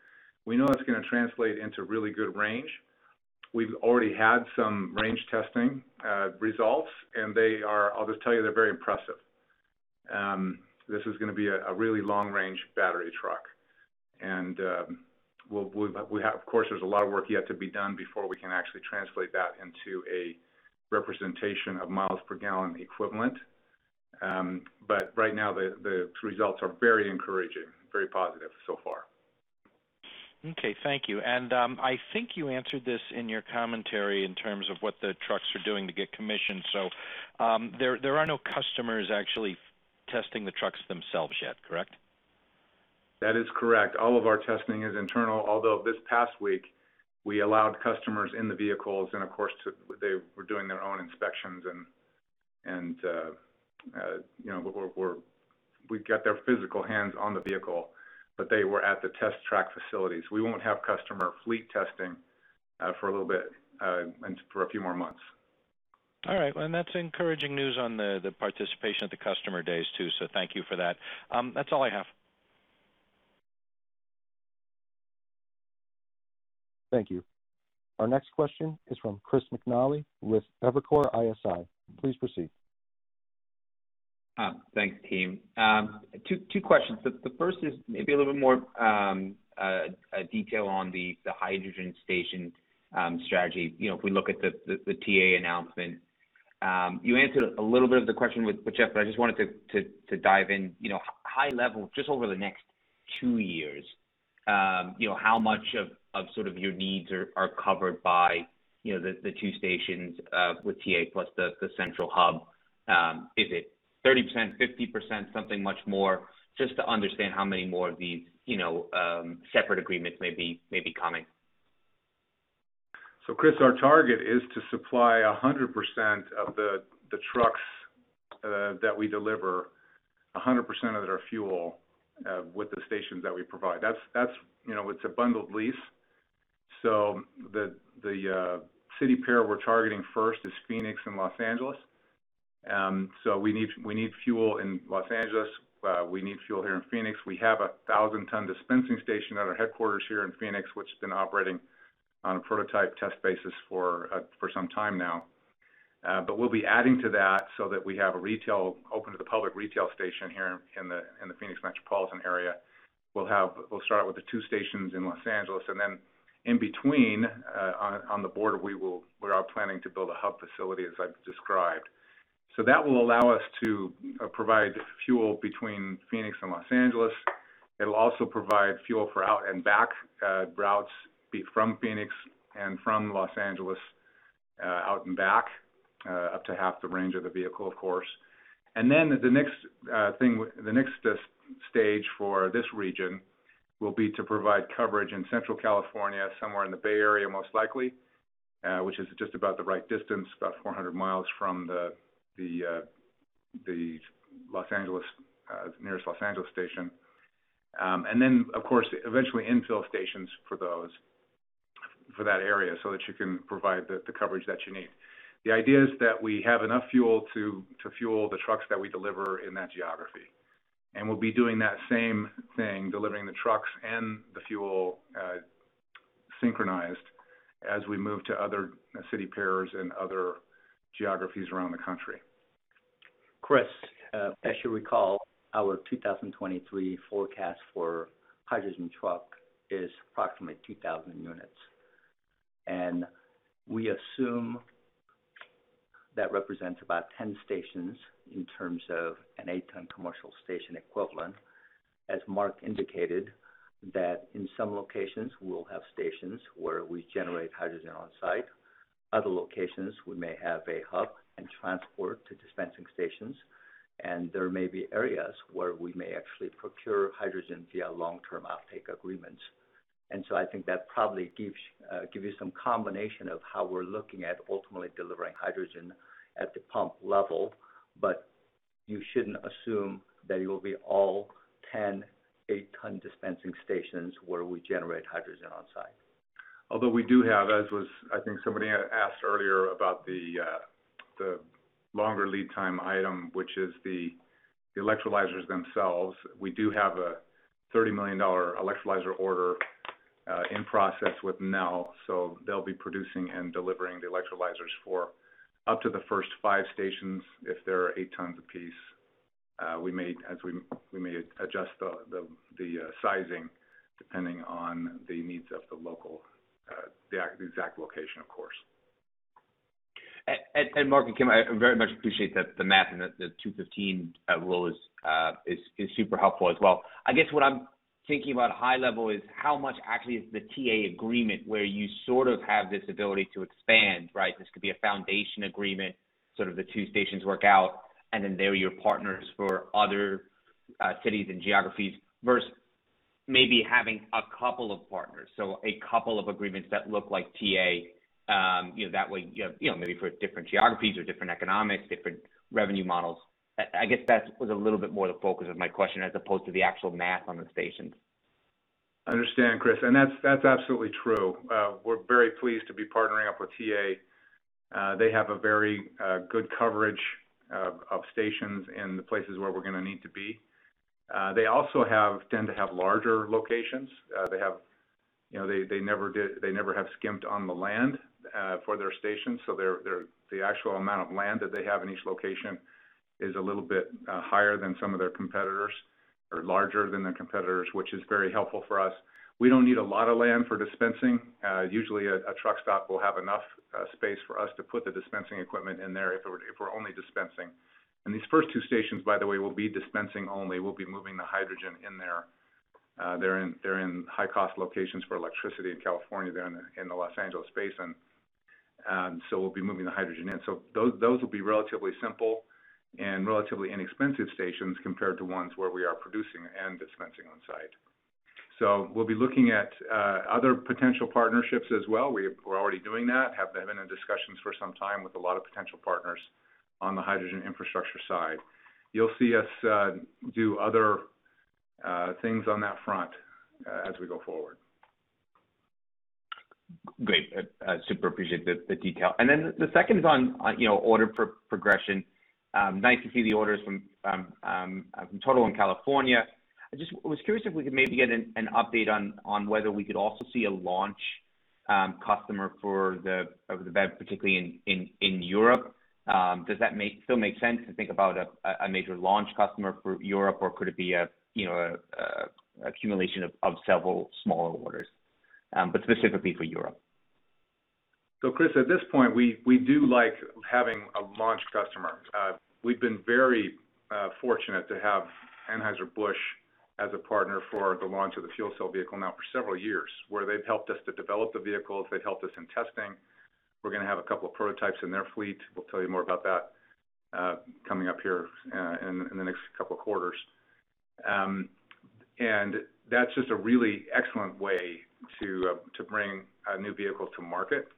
We know it's going to translate into really good range. We've already had some range testing results; they are, I'll just tell you, very impressive. This is going to be a really long-range battery truck. Of course, there's a lot of work yet to be done before we can actually translate that into a representation of miles per gallon equivalent. Right now the results are very encouraging, very positive so far. Okay, thank you. I think you answered this in your commentary in terms of what the trucks are doing to get commissioned. There are no customers actually testing the trucks themselves yet, correct? That is correct. All of our testing is internal. Although this past week we allowed customers in the vehicles, and of course, they were doing their own inspections, and we've got their physical hands on the vehicle, but they were at the test track facilities. We won't have customer fleet testing for a little bit and for a few more months. All right. Well, that's encouraging news on the participation at the customer days too. Thank you for that. That's all I have. Thank you. Our next question is from Chris McNally with Evercore ISI. Please proceed. Thanks, team. Two questions. The first is maybe a little bit more detail on the hydrogen station strategy. If we look at the TA announcement, you answered a little bit of the question with Jeff, but I just wanted to dive in, high level, just over the next two years: how much of your needs are covered by the two stations with TA plus the central hub? Is it 30%, 50%, something much more? Just to understand how many more of these separate agreements may be coming. Chris, our target is to supply 100% of the trucks that we deliver and 100% of their fuel with the stations that we provide. It's a bundled lease. The city pair we're targeting first is Phoenix and Los Angeles. We need fuel in Los Angeles. We need fuel here in Phoenix. We have a 1,000 ton dispensing station at our headquarters here in Phoenix, which has been operating on a prototype test basis for some time now. We'll be adding to that so that we have a retail open to the public retail station here in the Phoenix metropolitan area. We'll start with the two stations in Los Angeles, and then in between, on the border, we are planning to build a hub facility, as I've described. That will allow us to provide fuel between Phoenix and Los Angeles. It'll also provide fuel for out-and-back routes from Phoenix and from Los Angeles out and back, up to half the range of the vehicle, of course. The next Stage 2 for this region will be to provide coverage in Central California, somewhere in the Bay Area most likely, which is just about the right distance, about 400 miles from the nearest Los Angeles station. Of course, eventually infill stations for that area, so that you can provide the coverage that you need. The idea is that we have enough fuel to fuel the trucks that we deliver in that geography. We'll be doing that same thing, delivering the trucks and the fuel synchronized as we move to other city pairs and other geographies around the country. Chris, as you recall, our 2023 forecast for hydrogen trucks is approximately 2,000 units. We assume that represents about 10 stations in terms of an 8-ton commercial station equivalent. As Mark indicated, in some locations we'll have stations where we generate hydrogen on-site. Other locations, we may have a hub and transport to dispensing stations, and there may be areas where we may actually procure hydrogen via long-term offtake agreements. I think that probably gives you some combination of how we're looking at ultimately delivering hydrogen at the pump level. You shouldn't assume that it will be all 10 8-ton dispensing stations where we generate hydrogen on-site. We do have, as I think somebody had asked earlier about the longer lead time item, which is the electrolyzers themselves. We do have a $30 million electrolyzer order in process with Nel. They'll be producing and delivering the electrolyzers for up to the first five stations, if they're eight tons apiece. We may adjust the sizing depending on the needs of the local exact location, of course. Mark and Kim, I very much appreciate the math, and the 215 route is super helpful as well. I guess what I'm thinking about at a high level is how much the TA agreement actually is, where you sort of have this ability to expand, right? This could be a foundation agreement, sort of how the two stations work out, and then they're your partners for other cities and geographies, versus maybe having a couple of partners. A couple of agreements that look like TA, that way maybe for different geographies or different economics, different revenue models. I guess that was a little bit more the focus of my question as opposed to the actual math on the stations. Understand, Chris. That's absolutely true. We're very pleased to be partnering up with TA. They have a very good coverage of stations in the places where we're going to need to be. They also tend to have larger locations. They never have skimped on the land for their stations. The actual amount of land that they have in each location is a little bit higher than some of their competitors or larger than their competitors, which is very helpful for us. We don't need a lot of land for dispensing. Usually a truck stop will have enough space for us to put the dispensing equipment in there if we're only dispensing. These first two stations, by the way, will be dispensing only. We'll be moving the hydrogen in there. They're in high-cost locations for electricity in California. They're in the Los Angeles basin. We'll be moving the hydrogen in. Those will be relatively simple and relatively inexpensive stations compared to ones where we are producing and dispensing on-site. We'll be looking at other potential partnerships as well. We're already doing that, have been in discussions for some time with a lot of potential partners on the hydrogen infrastructure side. You'll see us do other things on that front as we go forward. Great. Super appreciate the detail. The second is on order progression. Nice to see the orders from Total in California. I just was curious if we could maybe get an update on whether we could also see a launch customer for the BEV, particularly in Europe. Does that still make sense to think about a major launch customer for Europe, or could it be an accumulation of several smaller orders? Specifically for Europe. Chris, at this point, we do like having a launch customer. We've been very fortunate to have Anheuser-Busch as a partner for the launch of the fuel cell vehicle now for several years, where they've helped us to develop the vehicles, and they've helped us in testing. We're going to have a couple of prototypes in their fleet. We'll tell you more about that coming up here in the next couple of quarters. That's just a really excellent way to bring a new vehicle to market.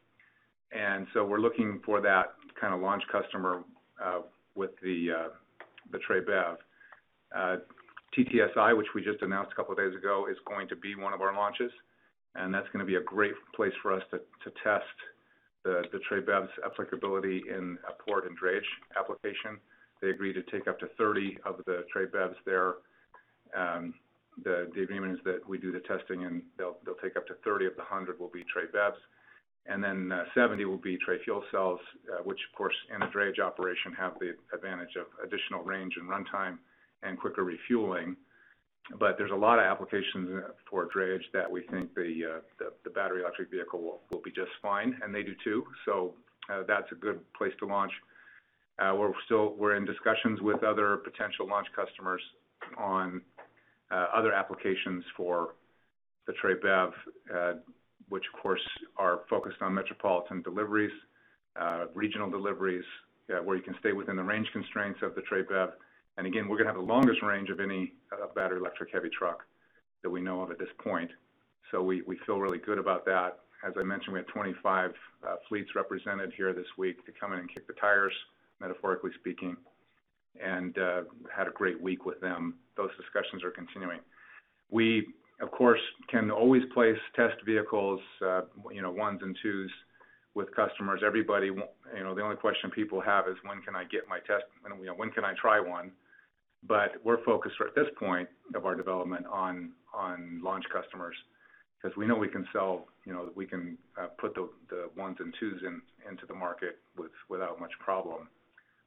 We're looking for that kind of launch customer with the Tre BEV. TTSI, which we just announced a couple of days ago, is going to be one of our launches, and that's going to be a great place for us to test the Tre BEV's applicability in a port and drayage application. They agreed to take up to 30 of the Tre BEVs there. The agreement is that we do the testing, and they'll take up to 30 of the 100 Tre BEVs. 70 will be Tre fuel cells, which, of course, in a drayage operation, have the advantage of additional range and runtime and quicker refueling. There are a lot of applications for drayage that we think the battery electric vehicle will be just fine for, and they do too. That's a good place to launch. We're in discussions with other potential launch customers on other applications for the Tre BEV, which, of course, are focused on metropolitan deliveries and regional deliveries, where you can stay within the range constraints of the Tre BEV. We're going to have the longest range of any battery electric heavy truck that we know of at this point. We feel really good about that. As I mentioned, we had 25 fleets represented here this week to come in and kick the tires, metaphorically speaking, and had a great week with them. Those discussions are continuing. We, of course, can always place test vehicles, ones and twos with customers. The only question people have is, when can I try one? We're focused at this point of our development on launch customers because we know we can put the ones and twos into the market without much problem.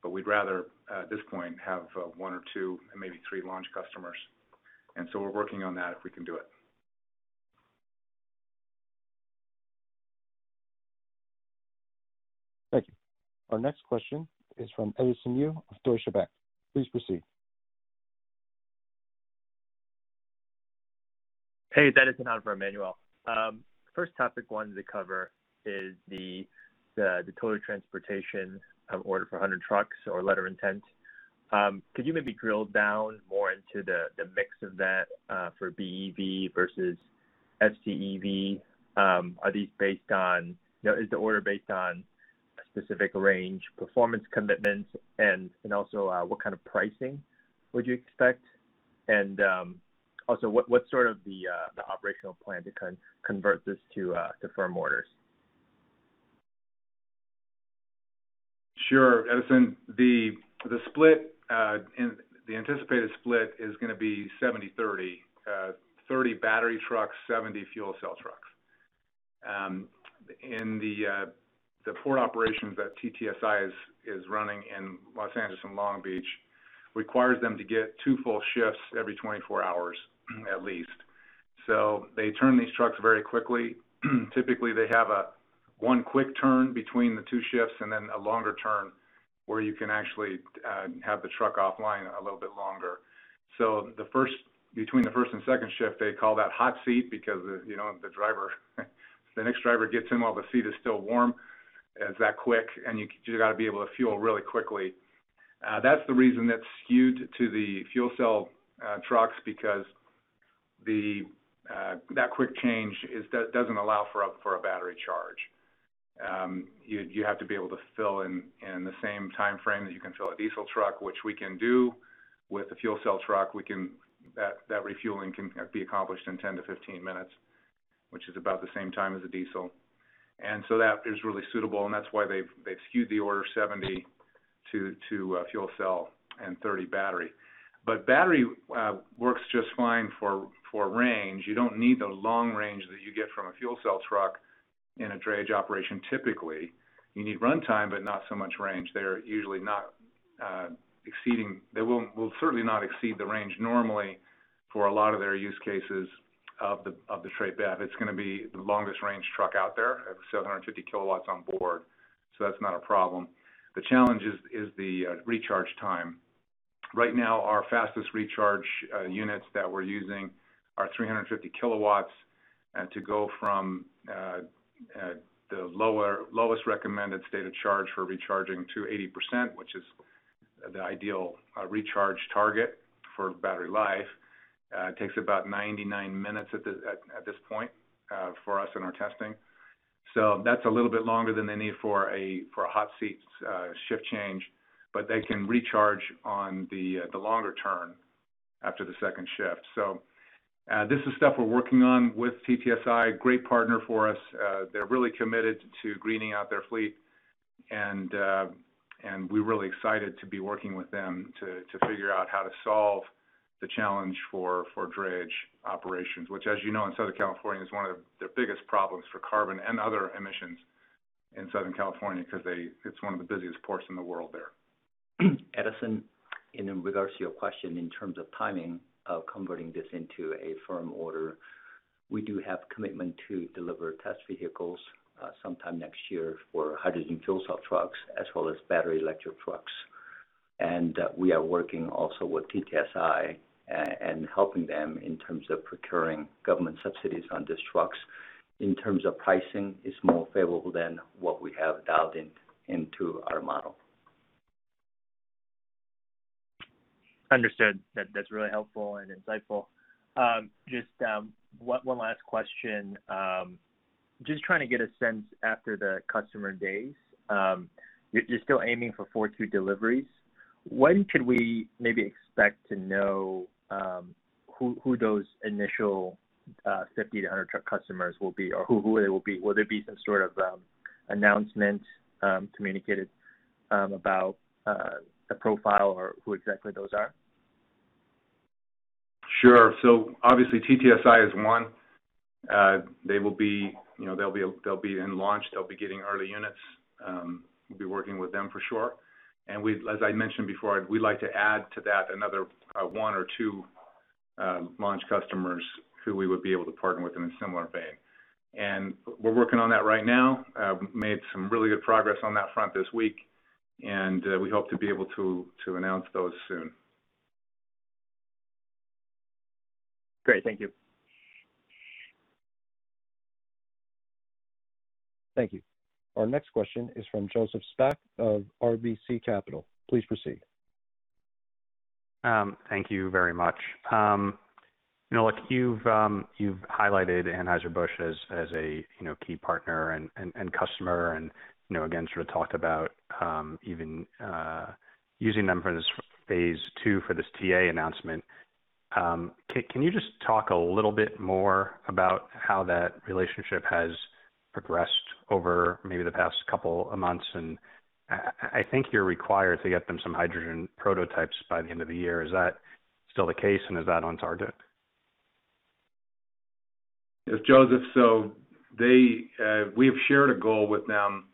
We'd rather, at this point, have one or two, maybe three launch customers. We're working on that if we can do it. Thank you. Our next question is from Edison Yu of Deutsche Bank. Please proceed. Hey, Edison on for Emmanuel. First topic I wanted to cover is the Total Transportation order for 100 trucks or letter of intent. Could you maybe drill down more into the mix of that for BEV versus FCEV? Is the order based on specific range performance commitments, also what kind of pricing would you expect? Also, what's the operational plan to convert this to firm orders? Sure, Edison. The anticipated split is going to be 70/30 battery trucks and 70 fuel cell trucks. In the port operations that TTSI is running in Los Angeles and Long Beach require them to get two full shifts every 24 hours at least. They turn these trucks very quickly. Typically, they have one quick turn between the two shifts and then a longer turn where you can actually have the truck offline a little bit longer. Between the first and second shifts, they call that a hot seat because the next driver gets in while the seat is still warm. It's that quick, and you got to be able to fuel really quickly. That's the reason that's skewed to the fuel cell trucks because that quick change doesn't allow for a battery charge. You have to be able to fill it in the same timeframe that you can fill a diesel truck, which we can do with a fuel cell truck. That refueling can be accomplished in 10-15 minutes, which is about the same time as a diesel. That is really suitable, and that's why they've skewed the order 70 to fuel cells and 30 to batteries. Battery works just fine for range. You don't need the long range that you get from a fuel cell truck in a drayage operation, typically. You need runtime, but not so much range. They will certainly not exceed the range normally for a lot of their use cases of the Tre BEV. It's going to be the longest-range truck out there at 750 kWh on board, so that's not a problem. The challenge is the recharge time. Right now, our fastest recharge units that we're using are 350 kWh. To go from the lowest recommended state of charge for recharging to 80%, which is the ideal recharge target for battery life, takes about 99 minutes at this point for us in our testing. That's a little bit longer than they need for a hot seat shift change, but they can recharge on the longer term after the second shift. This is stuff we're working on with TTSI, a great partner for us. They're really committed to greening out their fleet. We're really excited to be working with them to figure out how to solve the challenge for drayage operations, which, as you know, in Southern California is one of the biggest problems for carbon and other emissions in Southern California, because it's one of the busiest ports in the world there. Edison, in regards to your question in terms of the timing of converting this into a firm order, we do have a commitment to deliver test vehicles sometime next year for hydrogen fuel-cell trucks as well as battery-electric trucks. We are working also with TTSI and helping them in terms of procuring government subsidies on these trucks. In terms of pricing, it's more favorable than what we have dialed into our model. Understood. That's really helpful and insightful. Just one last question. Just trying to get a sense after the customer days. You're still aiming for 4Q deliveries. When could we maybe expect to know who those initial 50-100 truck customers are, or who they will be? Will there be some sort of announcement communicated about the profile or who exactly those are? Sure. Obviously TTSI is one. They'll be in launch. They'll be getting early units. We'll be working with them for sure. As I mentioned before, we'd like to add to that another one or two launch customers who we would be able to partner with in a similar vein. We're working on that right now. Made some really good progress on that front this week, and we hope to be able to announce those soon. Great. Thank you. Thank you. Our next question is from Joseph Spak of RBC Capital. Please proceed. Thank you very much. Look, you've highlighted Anheuser-Busch as a key partner and customer and again, sort of talked about even using them for this phase two for this TA announcement. Can you just talk a little bit more about how that relationship has progressed over maybe the past couple of months? I think you're required to get them some hydrogen prototypes by the end of the year. Is that still the case, and is that on target? Yes, Joseph, we've shared a goal with them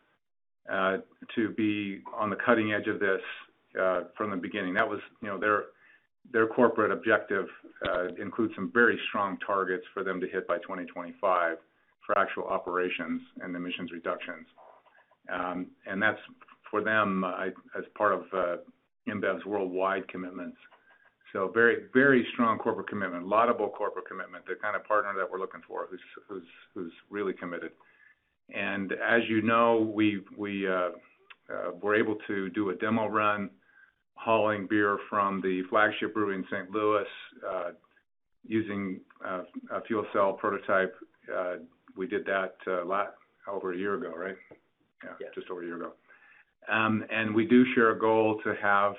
to be on the cutting edge of this from the beginning. Their corporate objective includes some very strong targets for them to hit by 2025 for actual operations and emissions reductions. That's for them as part of InBev's worldwide commitments. Very strong corporate commitment, laudable corporate commitment. The kind of partner that we're looking for who's really committed. As you know, we're able to do a demo run hauling beer from the flagship brewery in St. Louis using a fuel cell prototype. We did that over a year ago, right? Yes. Just over a year ago. We do share a goal to have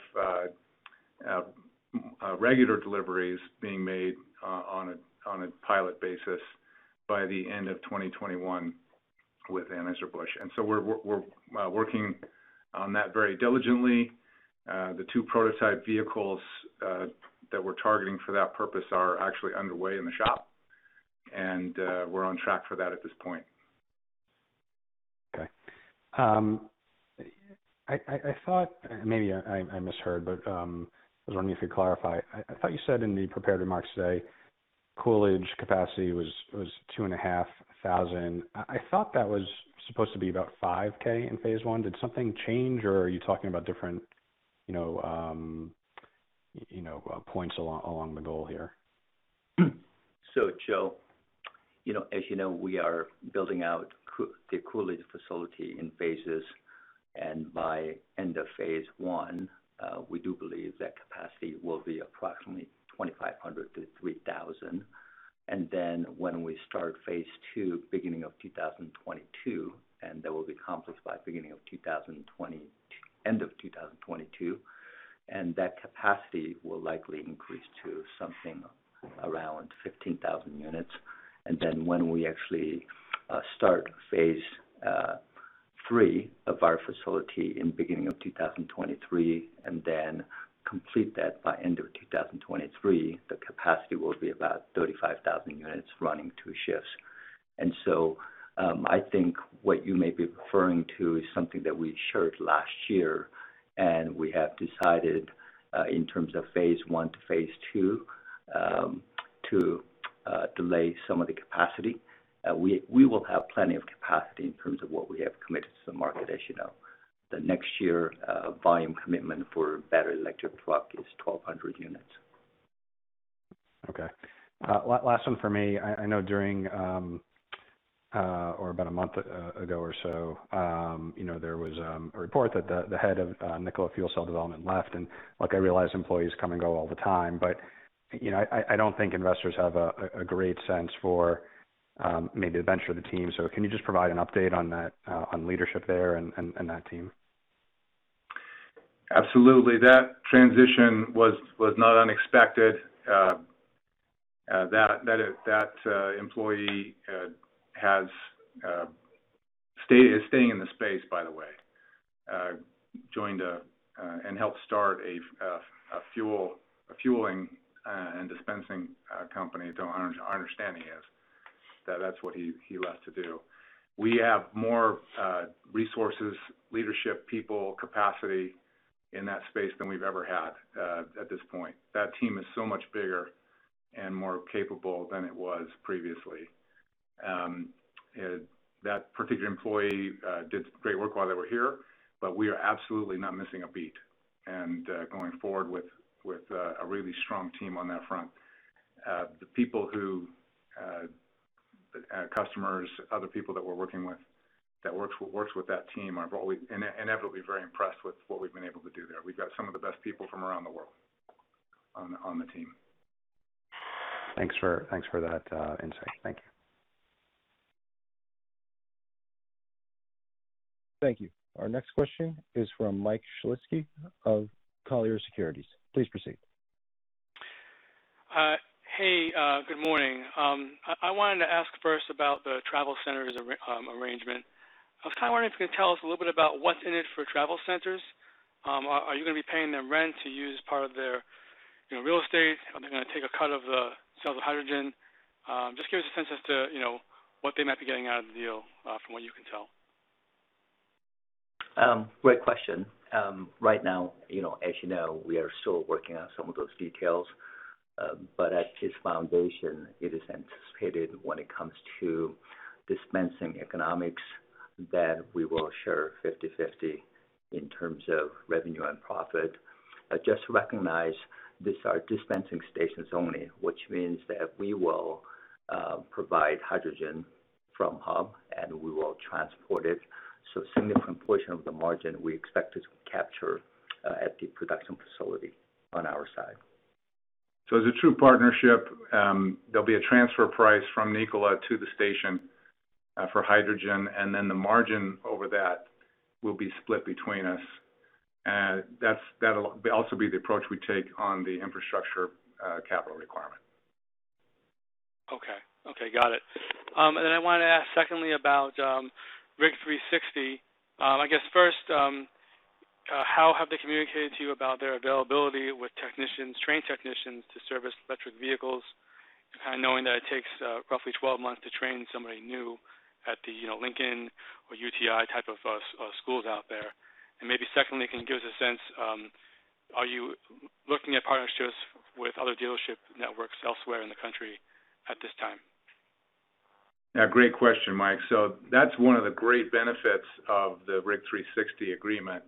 regular deliveries being made on a pilot basis by the end of 2021 with Anheuser-Busch. We're working on that very diligently. The two prototype vehicles that we're targeting for that purpose are actually underway in the shop, and we're on track for that at this point. Okay. I thought maybe I misheard, but I was wondering if you'd clarify. I thought you said in the prepared remarks today Coolidge capacity was 2,500. I thought that was supposed to be about 5,000 in phase I. Did something change, or are you talking about different points along the goal here? Joe, as you know, we are building out the Coolidge facility in phases, and by the end of phase I, we do believe that capacity will be approximately 2,500-3,000. When we start phase II, beginning of 2022, that will be accomplished by the end of 2022, and that capacity will likely increase to something around 15,000 units. When we actually start phase III of our facility in the beginning of 2023 and then complete that by the end of 2023, the capacity will be about 35,000 units running two shifts. I think what you may be referring to is something that we shared last year, and we have decided, in terms of phase I to phase II, to delay some of the capacity. We will have plenty of capacity in terms of what we have committed to the market, as you know. The next year's volume commitment for battery electric trucks is 1,200 units. Okay. Last one for me. I know that about a month ago or so, there was a report that the head of Nikola fuel cell development left. Look, I realize employees come and go all the time, but I don't think investors have a great sense for maybe the venture of the team. Can you just provide an update on leadership there and that team? Absolutely. That transition was not unexpected. That employee is staying in the space, by the way, joined, and helped start a fueling and dispensing company. I understand he is. That's what he left to do. We have more resources, leadership, people, and capacity in that space than we've ever had at this point. That team is so much bigger and more capable than it was previously. That particular employee did great work while they were here, but we are absolutely not missing a beat and going forward with a really strong team on that front. The people who, customers, other people that we're working with that works with that team are inevitably very impressed with what we've been able to do there. We've got some of the best people from around the world on the team. Thanks for that insight. Thank you. Thank you. Our next question is from Michael Shlisky of Colliers Securities. Please proceed. Hey, good morning. I wanted to ask first about the TravelCenters arrangement. I was kind of wondering if you could tell us a little bit about what's in it for TravelCenters. Are you going to be paying them rent to use part of their real estate? Are they going to take a cut of the sale of the hydrogen? Just give us a sense as to what they might be getting out of the deal from what you can tell. Great question. Right now, as you know, we are still working on some of those details. At its foundation, it is anticipated when it comes to dispensing economics that we will share 50/50 in terms of revenue and profit. Just recognize these are dispensing stations only, which means that we will provide hydrogen from hub, and we will transport it. Significant portion of the margin we expect to capture at the production facility is on our side. As a true partnership, there'll be a transfer price from Nikola to the station for hydrogen, and then the margin over that will be split between us. That'll also be the approach we take on the infrastructure capital requirement. Okay. Got it. I want to ask secondly about RIG360. I guess first, how have they communicated to you about their availability with trained technicians to service electric vehicles, kind of knowing that it takes roughly 12 months to train somebody new at the Lincoln or UTI type of schools out there? Maybe secondly, can you give us a sense are you looking at partnerships with other dealership networks elsewhere in the country at this time? Yeah. Great question, Michael. That's one of the great benefits of the RIG360 agreement.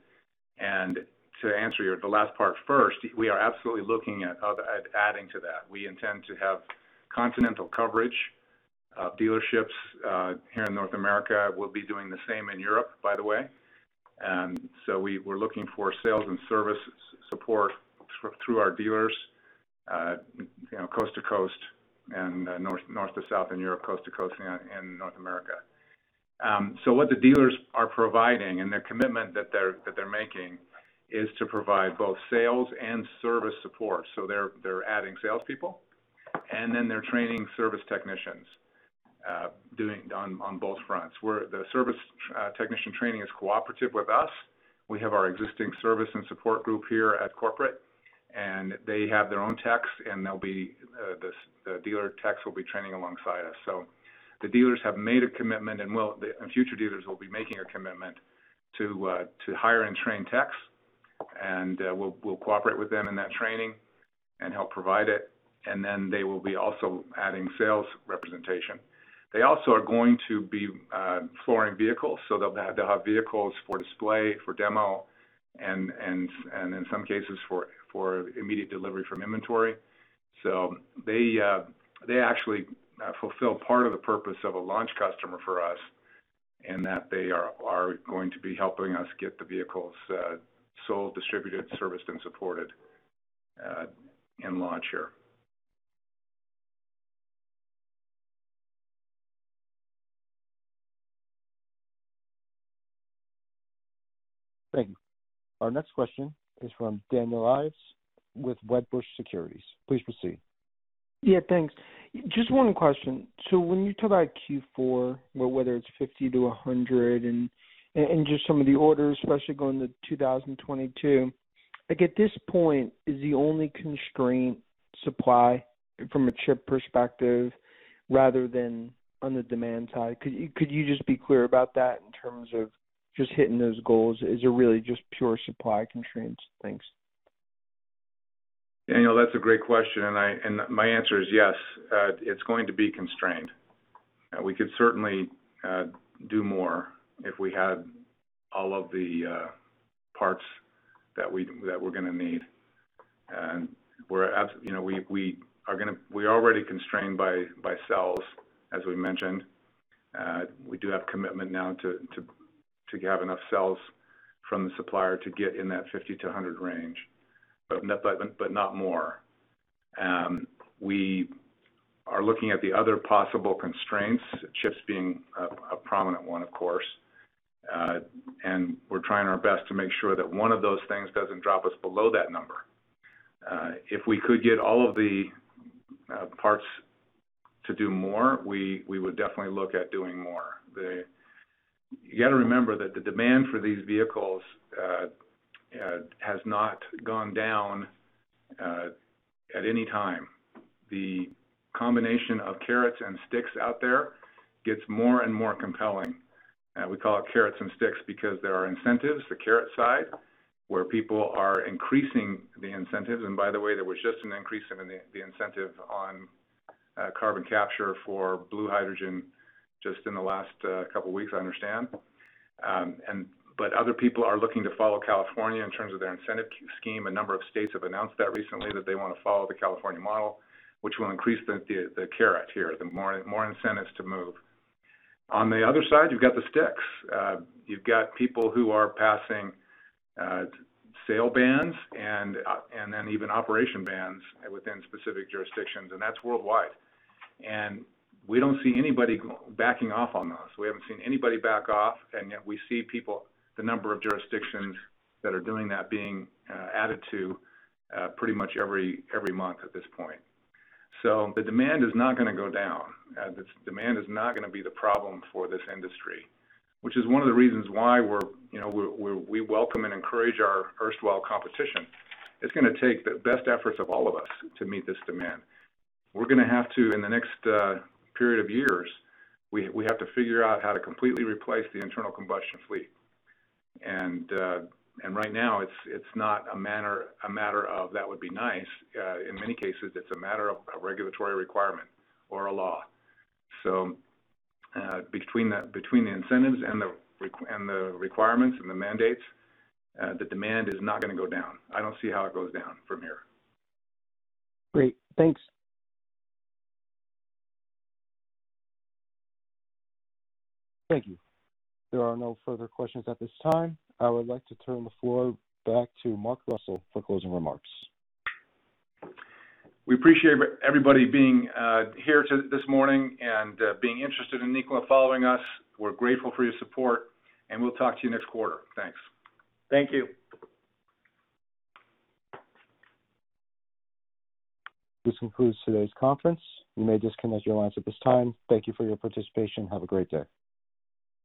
To answer the last part first, we are absolutely looking at adding to that. We intend to have continental coverage dealerships here in North America. We'll be doing the same in Europe, by the way. We're looking for sales and service support through our dealers coast to coast and north to south in Europe and coast to coast in North America. What the dealers are providing and the commitment that they're making is to provide both sales and service support. They're adding salespeople, and then they're training service technicians on both fronts, where the service technician training is cooperative with us. We have our existing service and support group here at corporate, and they have their own techs, and the dealer techs will be training alongside us. The dealers have made a commitment, and future dealers will be making a commitment to hire and train techs, and we'll cooperate with them in that training and help provide it. They will also be adding sales representation. They also are going to be flooring vehicles, so they'll have vehicles for display, for demo, and in some cases, for immediate delivery from inventory. They actually fulfill part of the purpose of a launch customer for us in that they are going to be helping us get the vehicles sold, distributed, serviced, and supported in launch here. Thank you. Our next question is from Daniel Ives with Wedbush Securities. Please proceed. Yeah, thanks. Just one question. When you talk about Q4, whether it's 50-100 and just some of the orders, especially going to 2022, like at this point, is the only constraint supply from a chip perspective rather than on the demand side? Could you just be clear about that in terms of just hitting those goals, is it really just pure supply constraints? Thanks. Daniel, that's a great question, and my answer is yes, it's going to be constrained. We could certainly do more if we had all of the parts that we're going to need. We are already constrained by cells, as we mentioned. We do have a commitment now to have enough cells from the supplier to get in that 50-100 range, but not more. We are looking at the other possible constraints, chips being a prominent one, of course, and we're trying our best to make sure that one of those things doesn't drop us below that number. If we could get all of the parts to do more, we would definitely look at doing more. You got to remember that the demand for these vehicles has not gone down at any time. The combination of carrots and sticks out there gets more and more compelling. We call it "carrots and sticks" because there are incentives, the carrot side, where people are increasing the incentives. By the way, there was just an increase in the incentive on carbon capture for blue hydrogen just in the last couple of weeks, I understand. Other people are looking to follow California in terms of their incentive scheme. A number of states have announced recently that they want to follow the California model, which will increase the carrot here, the more incentives to move. On the other side, you've got the sticks. You've got people who are passing sale bans and then even operation bans within specific jurisdictions, and that's worldwide, and we don't see anybody backing off on those. We haven't seen anybody back off, and yet we see the number of jurisdictions that are doing that being added to pretty much every month at this point. The demand is not going to go down. The demand is not going to be the problem for this industry, which is one of the reasons why we welcome and encourage our erstwhile competition. It's going to take the best efforts of all of us to meet this demand. We're going to have to, in the next period of years, we have to figure out how to completely replace the internal combustion fleet. Right now, it's not a matter of that would be nice. In many cases, it's a matter of a regulatory requirement or a law. Between the incentives and the requirements and the mandates, the demand is not going to go down. I don't see how it goes down from here. Great. Thanks. Thank you. There are no further questions at this time. I would like to turn the floor back to Mark Russell for closing remarks. We appreciate everybody being here this morning and being interested in Nikola, following us. We're grateful for your support, and we'll talk to you next quarter. Thanks. Thank you. This concludes today's conference. You may disconnect your lines at this time. Thank you for your participation. Have a great day.